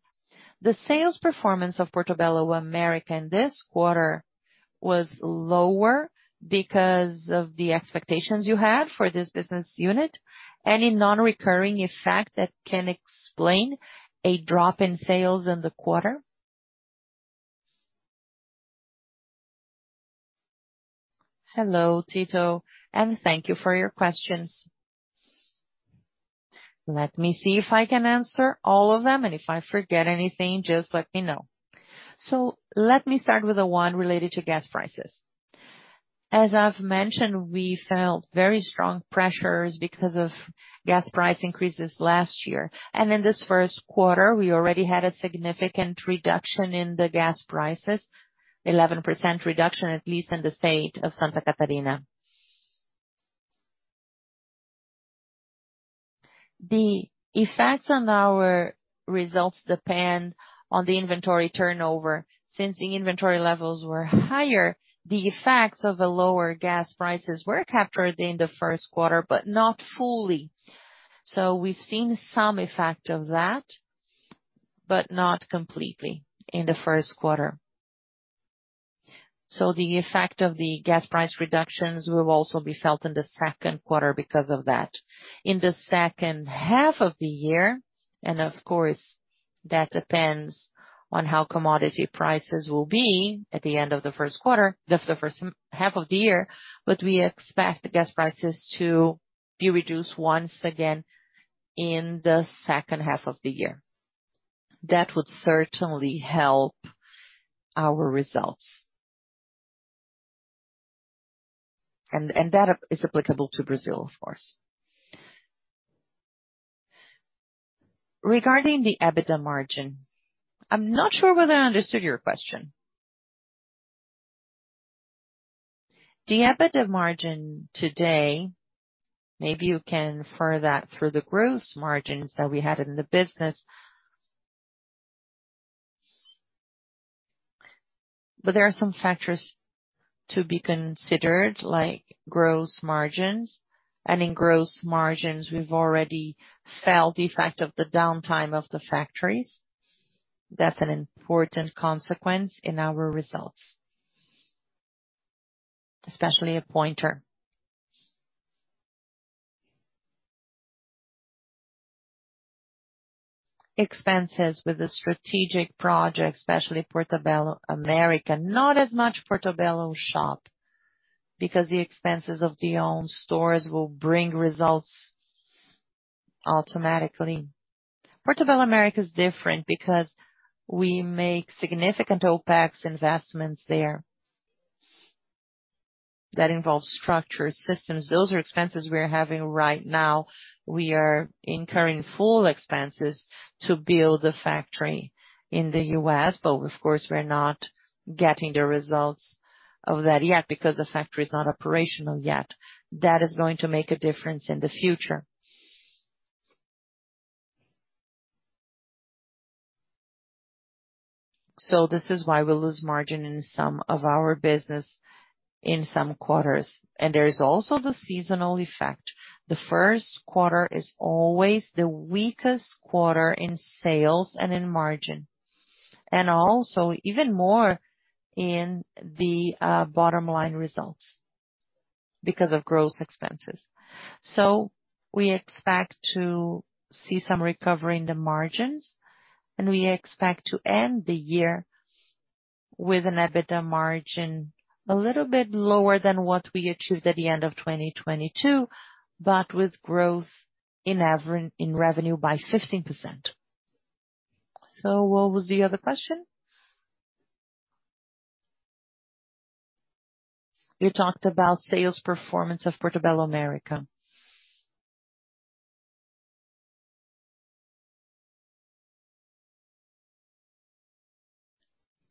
the sales performance of Portobello America in this quarter was lower because of the expectations you had for this business unit. Any non-recurring effect that can explain a drop in sales in the quarter? Hello, Tito. Thank you for your questions. Let me see if I can answer all of them, and if I forget anything, just let me know. Let me start with the one related to gas prices. As I've mentioned, we felt very strong pressures because of gas price increases last year. In this first quarter, we already had a significant reduction in the gas prices. 11% reduction, at least in the state of Santa Catarina. The effects on our results depend on the inventory turnover. Since the inventory levels were higher, the effects of the lower gas prices were captured in the first quarter, but not fully. We've seen some effect of that, but not completely in the first quarter. The effect of the gas price reductions will also be felt in the second quarter because of that. In the second half of the year, and of course, that depends on how commodity prices will be at the end of the first quarter, the first half of the year. We expect the gas prices to be reduced once again in the second half of the year. That is applicable to Brazil, of course. Regarding the EBITDA margin, I'm not sure whether I understood your question. The EBITDA margin today, maybe you can infer that through the gross margins that we had in the business. There are some factors to be considered, like gross margins. In gross margins, we've already felt the effect of the downtime of the factories. That's an important consequence in our results, especially at Pointer. Expenses with the strategic project, especially Portobello America, not as much Portobello Shop, because the expenses of the own stores will bring results automatically. Portobello America is different because we make significant OpEx investments there that involve structure systems. Those are expenses we are having right now. We are incurring full expenses to build the factory in the U.S., but of course, we're not getting the results of that yet because the factory is not operational yet. That is going to make a difference in the future. This is why we lose margin in some of our business in some quarters. There is also the seasonal effect. The first quarter is always the weakest quarter in sales and in margin, and also even more in the bottom line results because of gross expenses. We expect to see some recovery in the margins, and we expect to end the year with an EBITDA margin a little bit lower than what we achieved at the end of 2022, but with growth in revenue by 15%. What was the other question? You talked about sales performance of Portobello America.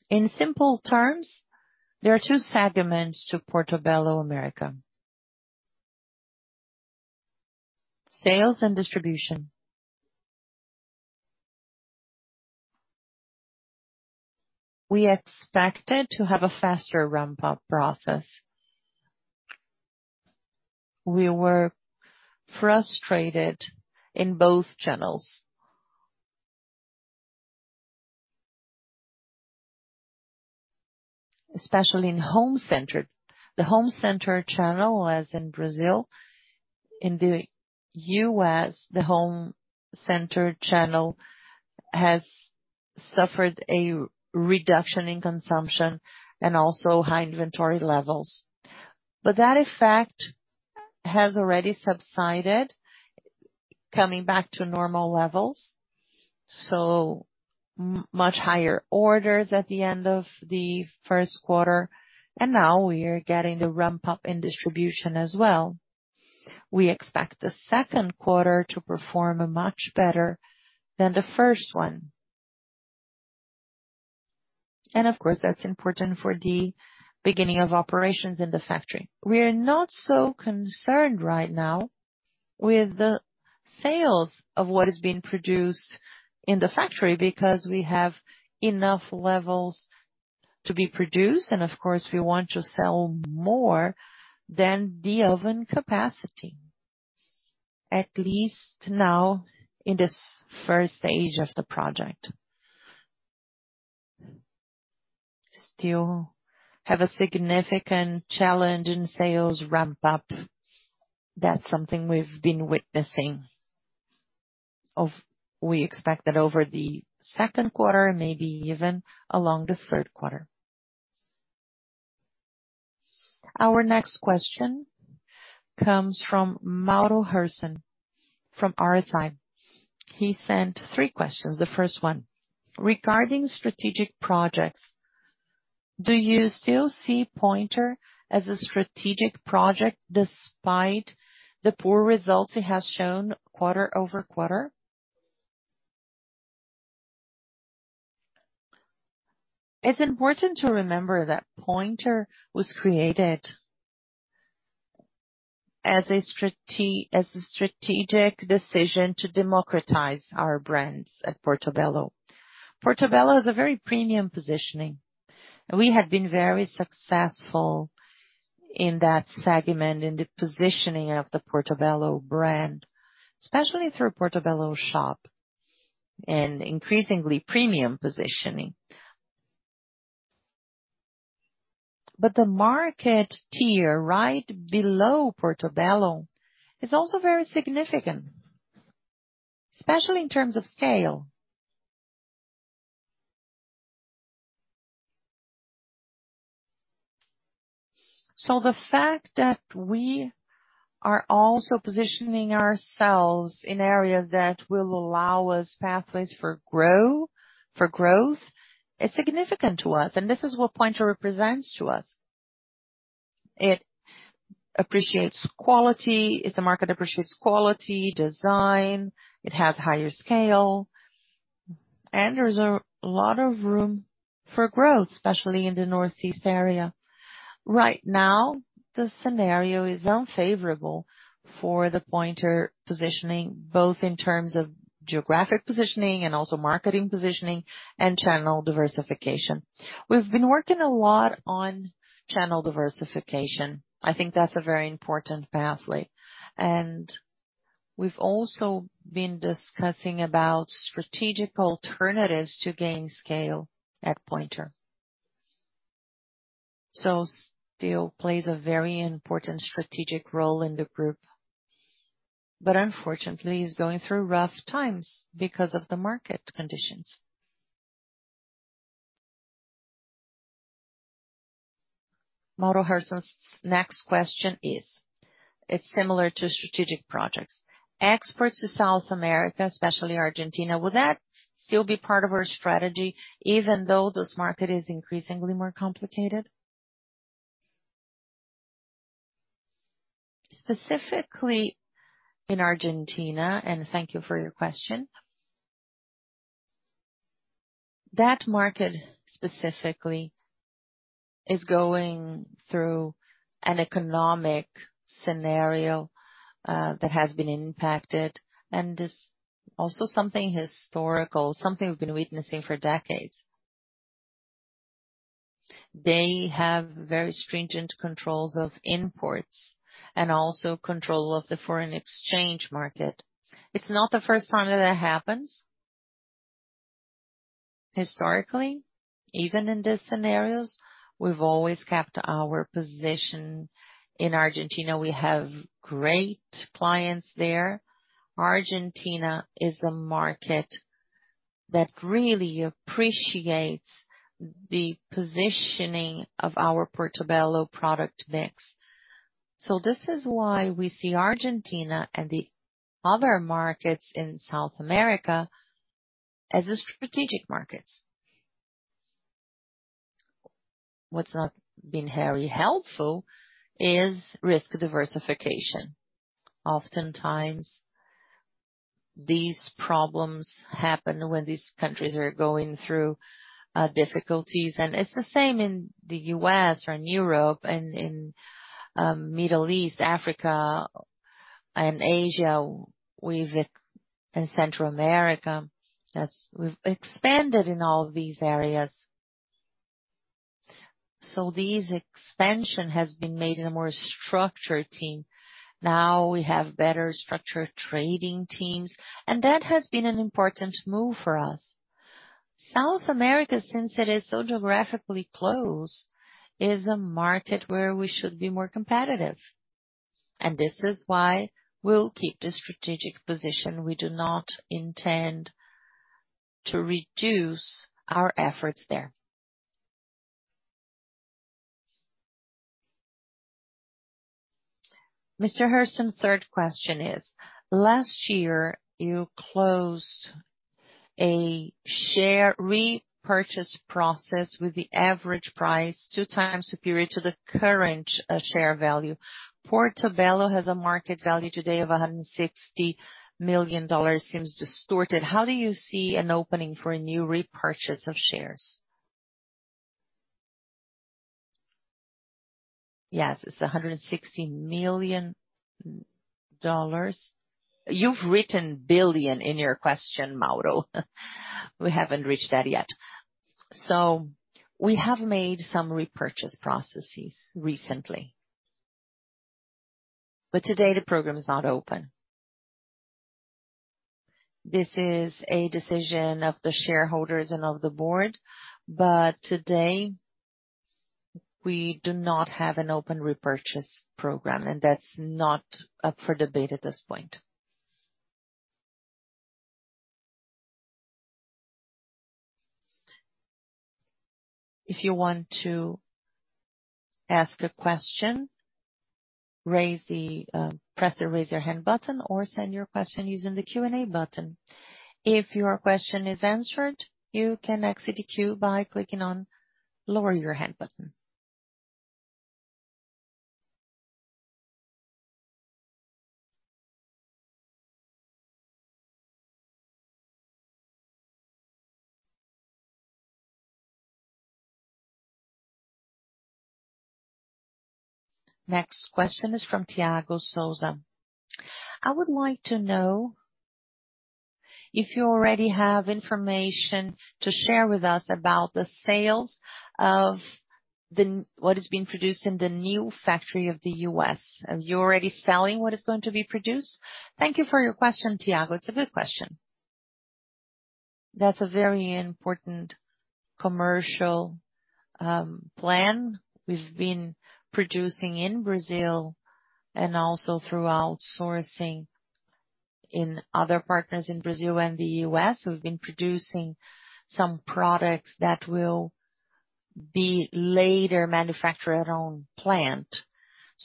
In simple terms, there are two segments to Portobello America. Sales and distribution. We expected to have a faster ramp-up process. We were frustrated in both channels. Especially in home center. The home center channel, as in Brazil, in the U.S., the home center channel has suffered a reduction in consumption and also high inventory levels. That effect has already subsided, coming back to normal levels, much higher orders at the end of the first quarter, and now we are getting the ramp-up in distribution as well. We expect the second quarter to perform much better than the first one. Of course, that's important for the beginning of operations in the factory. We are not so concerned right now with the sales of what is being produced in the factory because we have enough levels to be produced. Of course, we want to sell more than the oven capacity, at least now in this first stage of the project. Still have a significant challenge in sales ramp up. That's something we've been witnessing we expect that over the second quarter, maybe even along the third quarter. Our next question comes from Mauro Herzan from RSI. He sent three questions. The first one: regarding strategic projects, do you still see Pointer as a strategic project despite the poor results it has shown quarter-over-quarter? It's important to remember that Pointer was created as a strategic decision to democratize our brands at Portobello. Portobello is a very premium positioning. We have been very successful in that segment, in the positioning of the Portobello brand, especially through Portobello Shop and increasingly premium positioning. The market tier right below Portobello is also very significant, especially in terms of scale. The fact that we are also positioning ourselves in areas that will allow us pathways for growth is significant to us. This is what Pointer represents to us. It appreciates quality. It's a market appreciates quality, design. It has higher scale. There's a lot of room for growth, especially in the Northeast area. Right now, the scenario is unfavorable for the Pointer positioning, both in terms of geographic positioning and also marketing positioning and channel diversification. We've been working a lot on channel diversification. I think that's a very important pathway. We've also been discussing about strategic alternatives to gain scale at Pointer. Still plays a very important strategic role in the group, but unfortunately, it's going through rough times because of the market conditions. Mauro Herzan's next question is, it's similar to strategic projects. Exports to South America, especially Argentina, will that still be part of our strategy, even though this market is increasingly more complicated? Specifically in Argentina, thank you for your question. That market specifically is going through an economic scenario that has been impacted and is also something historical, something we've been witnessing for decades. They have very stringent controls of imports and also control of the foreign exchange market. It's not the first time that that happens. Historically, even in these scenarios, we've always kept our position in Argentina. We have great clients there. Argentina is a market that really appreciates the positioning of our Portobello product mix. This is why we see Argentina and the other markets in South America as the strategic markets. What's not been very helpful is risk diversification. Oftentimes, these problems happen when these countries are going through difficulties. It's the same in the U.S. or in Europe and in Middle East, Africa and Asia. Central America. We've expanded in all these areas. These expansion has been made in a more structured team. Now we have better structured trading teams, and that has been an important move for us. South America, since it is so geographically close, is a market where we should be more competitive. This is why we'll keep the strategic position. We do not intend to reduce our efforts there. Mr. Herzan's third question is: last year, you closed a share repurchase process with the average price 2x superior to the current share value. Portobello has a market value today of $160 million, seems distorted. How do you see an opening for a new repurchase of shares? Yes, it's $160 million. You've written billion in your question, Mauro. We haven't reached that yet. We have made some repurchase processes recently. Today the program is not open. This is a decision of the shareholders and of the board. Today we do not have an open repurchase program, and that's not up for debate at this point. If you want to ask a question, raise the press the Raise Your Hand button or send your question using the Q&A button. If your question is answered, you can exit the queue by clicking on Lower Your Hand button. Next question is from Tiago Sossai. I would like to know if you already have information to share with us about the sales of what is being produced in the new factory of the U.S. Are you already selling what is going to be produced? Thank you for your question, Tiago. It's a good question. That's a very important commercial plan. We've been producing in Brazil and also through outsourcing in other partners in Brazil and the U.S. We've been producing some products that will be later manufactured on plant.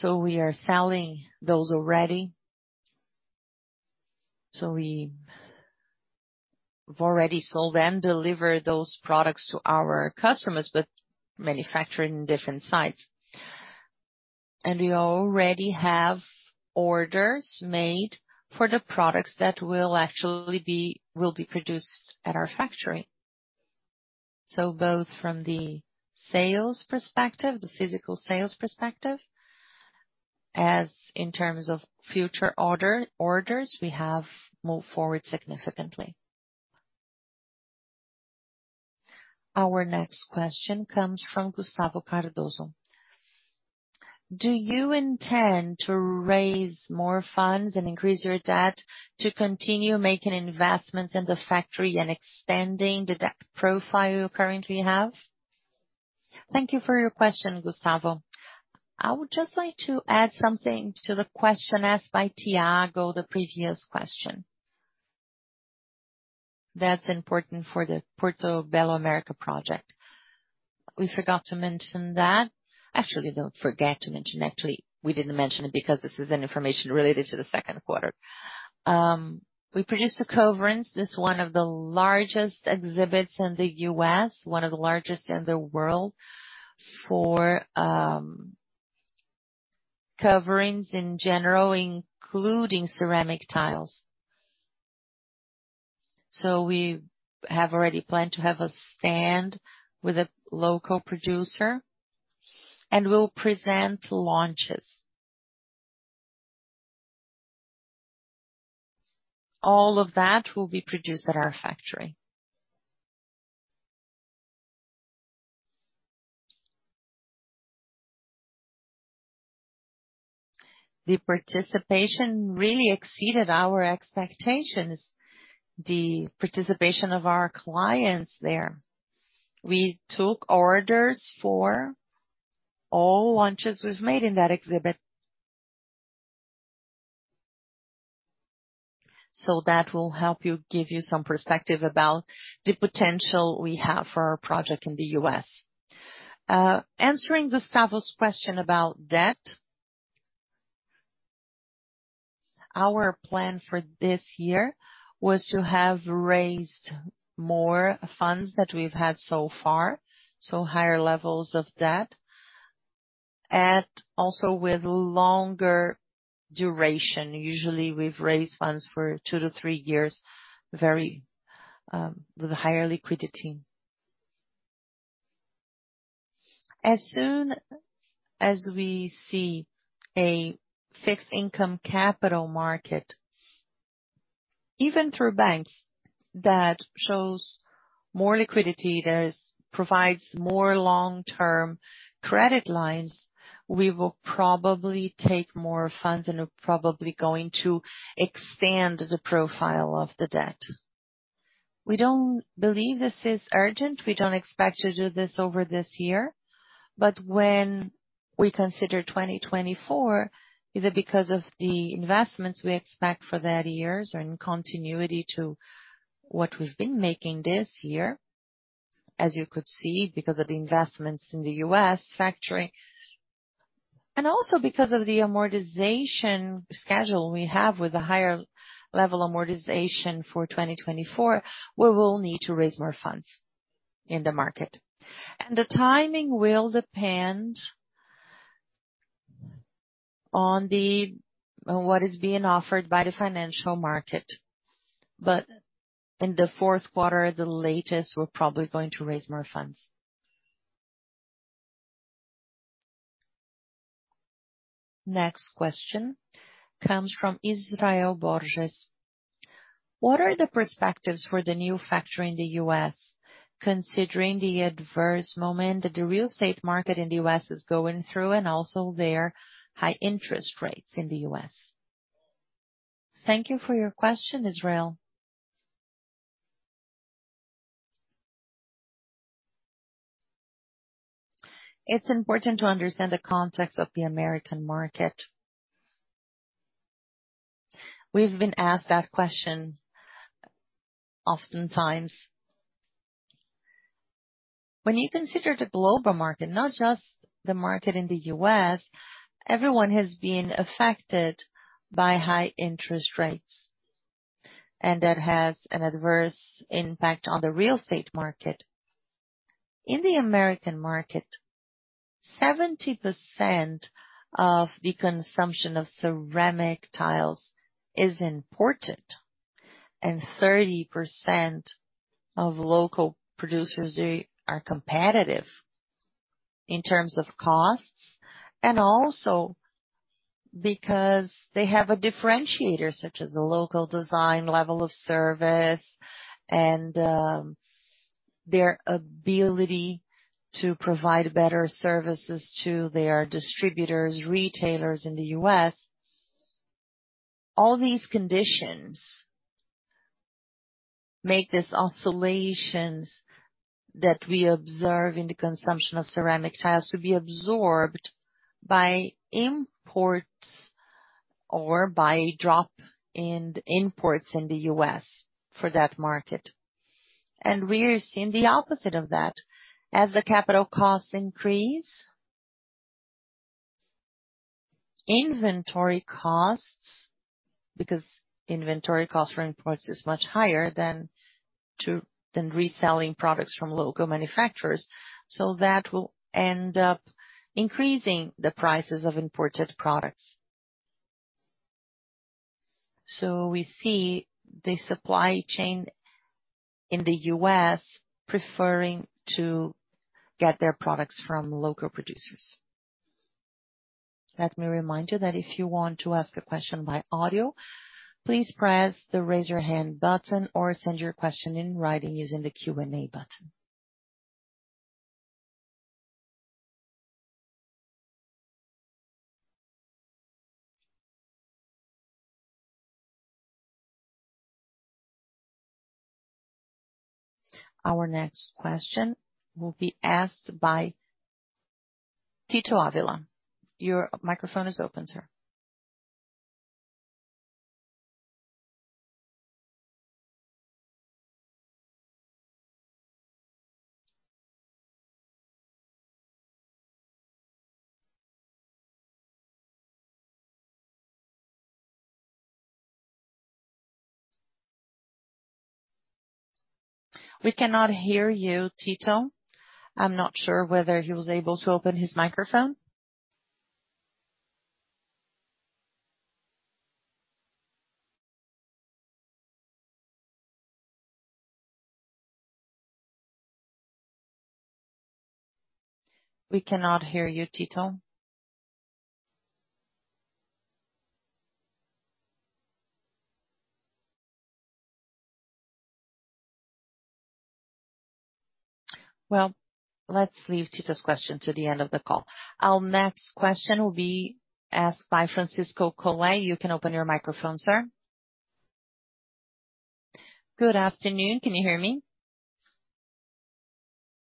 We are selling those already. We've already sold and delivered those products to our customers, but manufacturing different sites. We already have orders made for the products that will actually be produced at our factory. Both from the sales perspective, the physical sales perspective, as in terms of future orders, we have moved forward significantly. Our next question comes from Gustavo Cardoso. Do you intend to raise more funds and increase your debt to continue making investments in the factory and extending the debt profile you currently have? Thank you for your question, Gustavo. I would just like to add something to the question asked by Tiago, the previous question. That's important for the Portobello America project. We forgot to mention that. Actually, don't forget to mention. Actually, we didn't mention it because this is an information related to the second quarter. We produced the Coverings. This is one of the largest exhibits in the U.S., one of the largest in the world for Coverings in general, including ceramic tiles. We have already planned to have a stand with a local producer, and we'll present launches. All of that will be produced at our factory. The participation really exceeded our expectations, the participation of our clients there. We took orders for all launches we've made in that exhibit. That will help you give you some perspective about the potential we have for our project in the U.S. Answering Gustavo's question about debt. Our plan for this year was to have raised more funds that we've had so far, so higher levels of debt, and also with longer duration. Usually, we've raised funds for two to three years, very, with higher liquidity. As soon as we see a fixed income capital market, even through banks, that shows more liquidity, that provides more long-term credit lines, we will probably take more funds, and we're probably going to expand the profile of the debt. We don't believe this is urgent. We don't expect to do this over this year. When we consider 2024, either because of the investments we expect for that year or in continuity to what we've been making this year, as you could see, because of the investments in the U.S. factory, and also because of the amortization schedule we have with a higher level amortization for 2024, we will need to raise more funds in the market. The timing will depend on what is being offered by the financial market. In the fourth quarter, the latest, we're probably going to raise more funds. Next question comes from Israel Borges. What are the perspectives for the new factory in the U.S., considering the adverse moment that the real estate market in the U.S. is going through and also their high interest rates in the U.S.? Thank you for your question, Israel. It's important to understand the context of the American market. We've been asked that question oftentimes. When you consider the global market, not just the market in the U.S., everyone has been affected by high interest rates, and that has an adverse impact on the real estate market. In the U.S. market, 70% of the consumption of ceramic tiles is imported, 30% of local producers, they are competitive in terms of costs, and also because they have a differentiator such as a local design level of service and their ability to provide better services to their distributors, retailers in the U.S. All these conditions make these oscillations that we observe in the consumption of ceramic tiles to be absorbed by imports or by drop in imports in the U.S. for that market. We are seeing the opposite of that. As the capital costs increase, inventory costs, because inventory costs for imports is much higher than reselling products from local manufacturers, that will end up increasing the prices of imported products. We see the supply chain in the U.S. preferring to get their products from local producers. Let me remind you that if you want to ask a question by audio, please press the Raise Your Hand button, or send your question in writing using the Q&A button. Our next question will be asked by Tito Avila. Your microphone is open, sir. We cannot hear you, Tito. I'm not sure whether he was able to open his microphone. We cannot hear you, Tito. Well, let's leave Tito's question to the end of the call. Our next question will be asked by Francisco Cole. You can open your microphone, sir. Good afternoon. Can you hear me?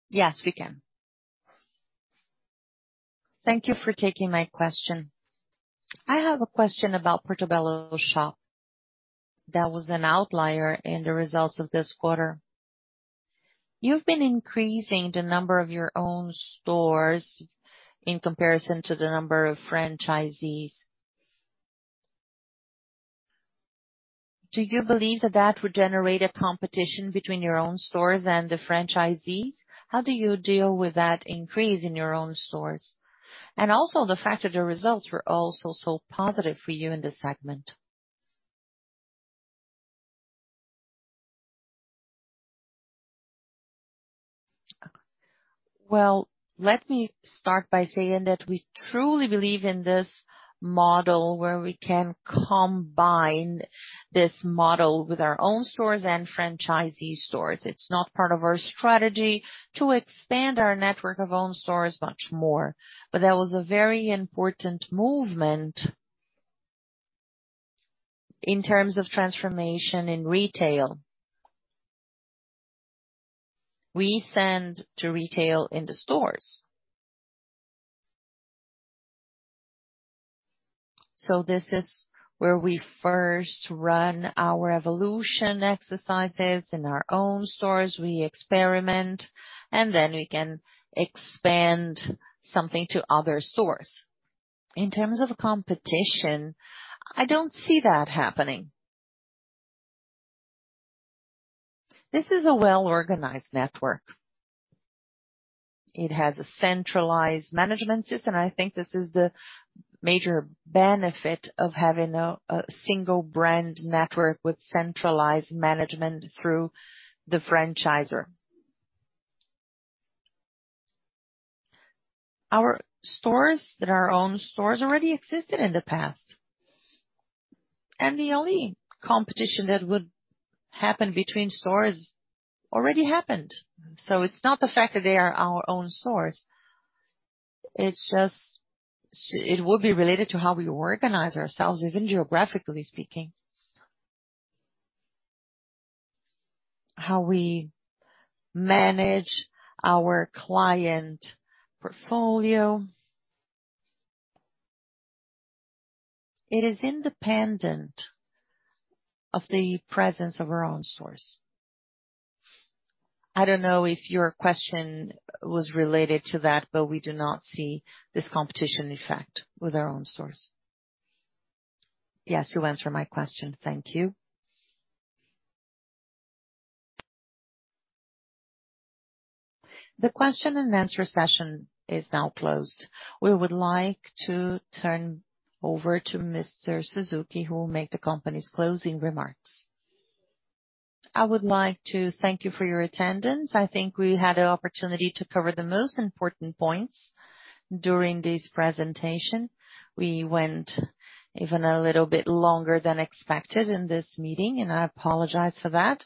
Yes, we can. Thank you for taking my question. I have a question about Portobello Shop. That was an outlier in the results of this quarter. You've been increasing the number of your own stores in comparison to the number of franchisees. Do you believe that that would generate a competition between your own stores and the franchisees? How do you deal with that increase in your own stores? Also the fact that the results were also so positive for you in this segment. Well, let me start by saying that we truly believe in this model where we can combine this model with our own stores and franchisee stores. It's not part of our strategy to expand our network of own stores much more. That was a very important movement in terms of transformation in retail. We send to retail in the stores. This is where we first run our evolution exercises. In our own stores, we experiment, and then we can expand something to other stores. In terms of competition, I don't see that happening. This is a well-organized network. It has a centralized management system. I think this is the major benefit of having a single brand network with centralized management through the franchisor. Our stores that are our own stores already existed in the past. The only competition that would happen between stores already happened. It's not the fact that they are our own stores. It would be related to how we organize ourselves, even geographically speaking. How we manage our client portfolio. It is independent of the presence of our own stores. I don't know if your question was related to that, we do not see this competition effect with our own stores. Yes, you answered my question. Thank you. The question and answer session is now closed. We would like to turn over to Mr. Suzuki, who will make the company's closing remarks. I would like to thank you for your attendance. I think we had an opportunity to cover the most important points during this presentation. We went even a little bit longer than expected in this meeting, and I apologize for that.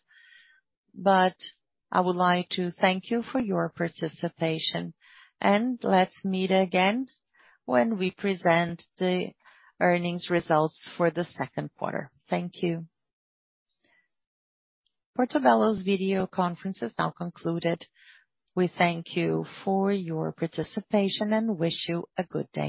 I would like to thank you for your participation. Let's meet again when we present the earnings results for the second quarter. Thank you. Portobello's video conference is now concluded. We thank you for your participation and wish you a good day.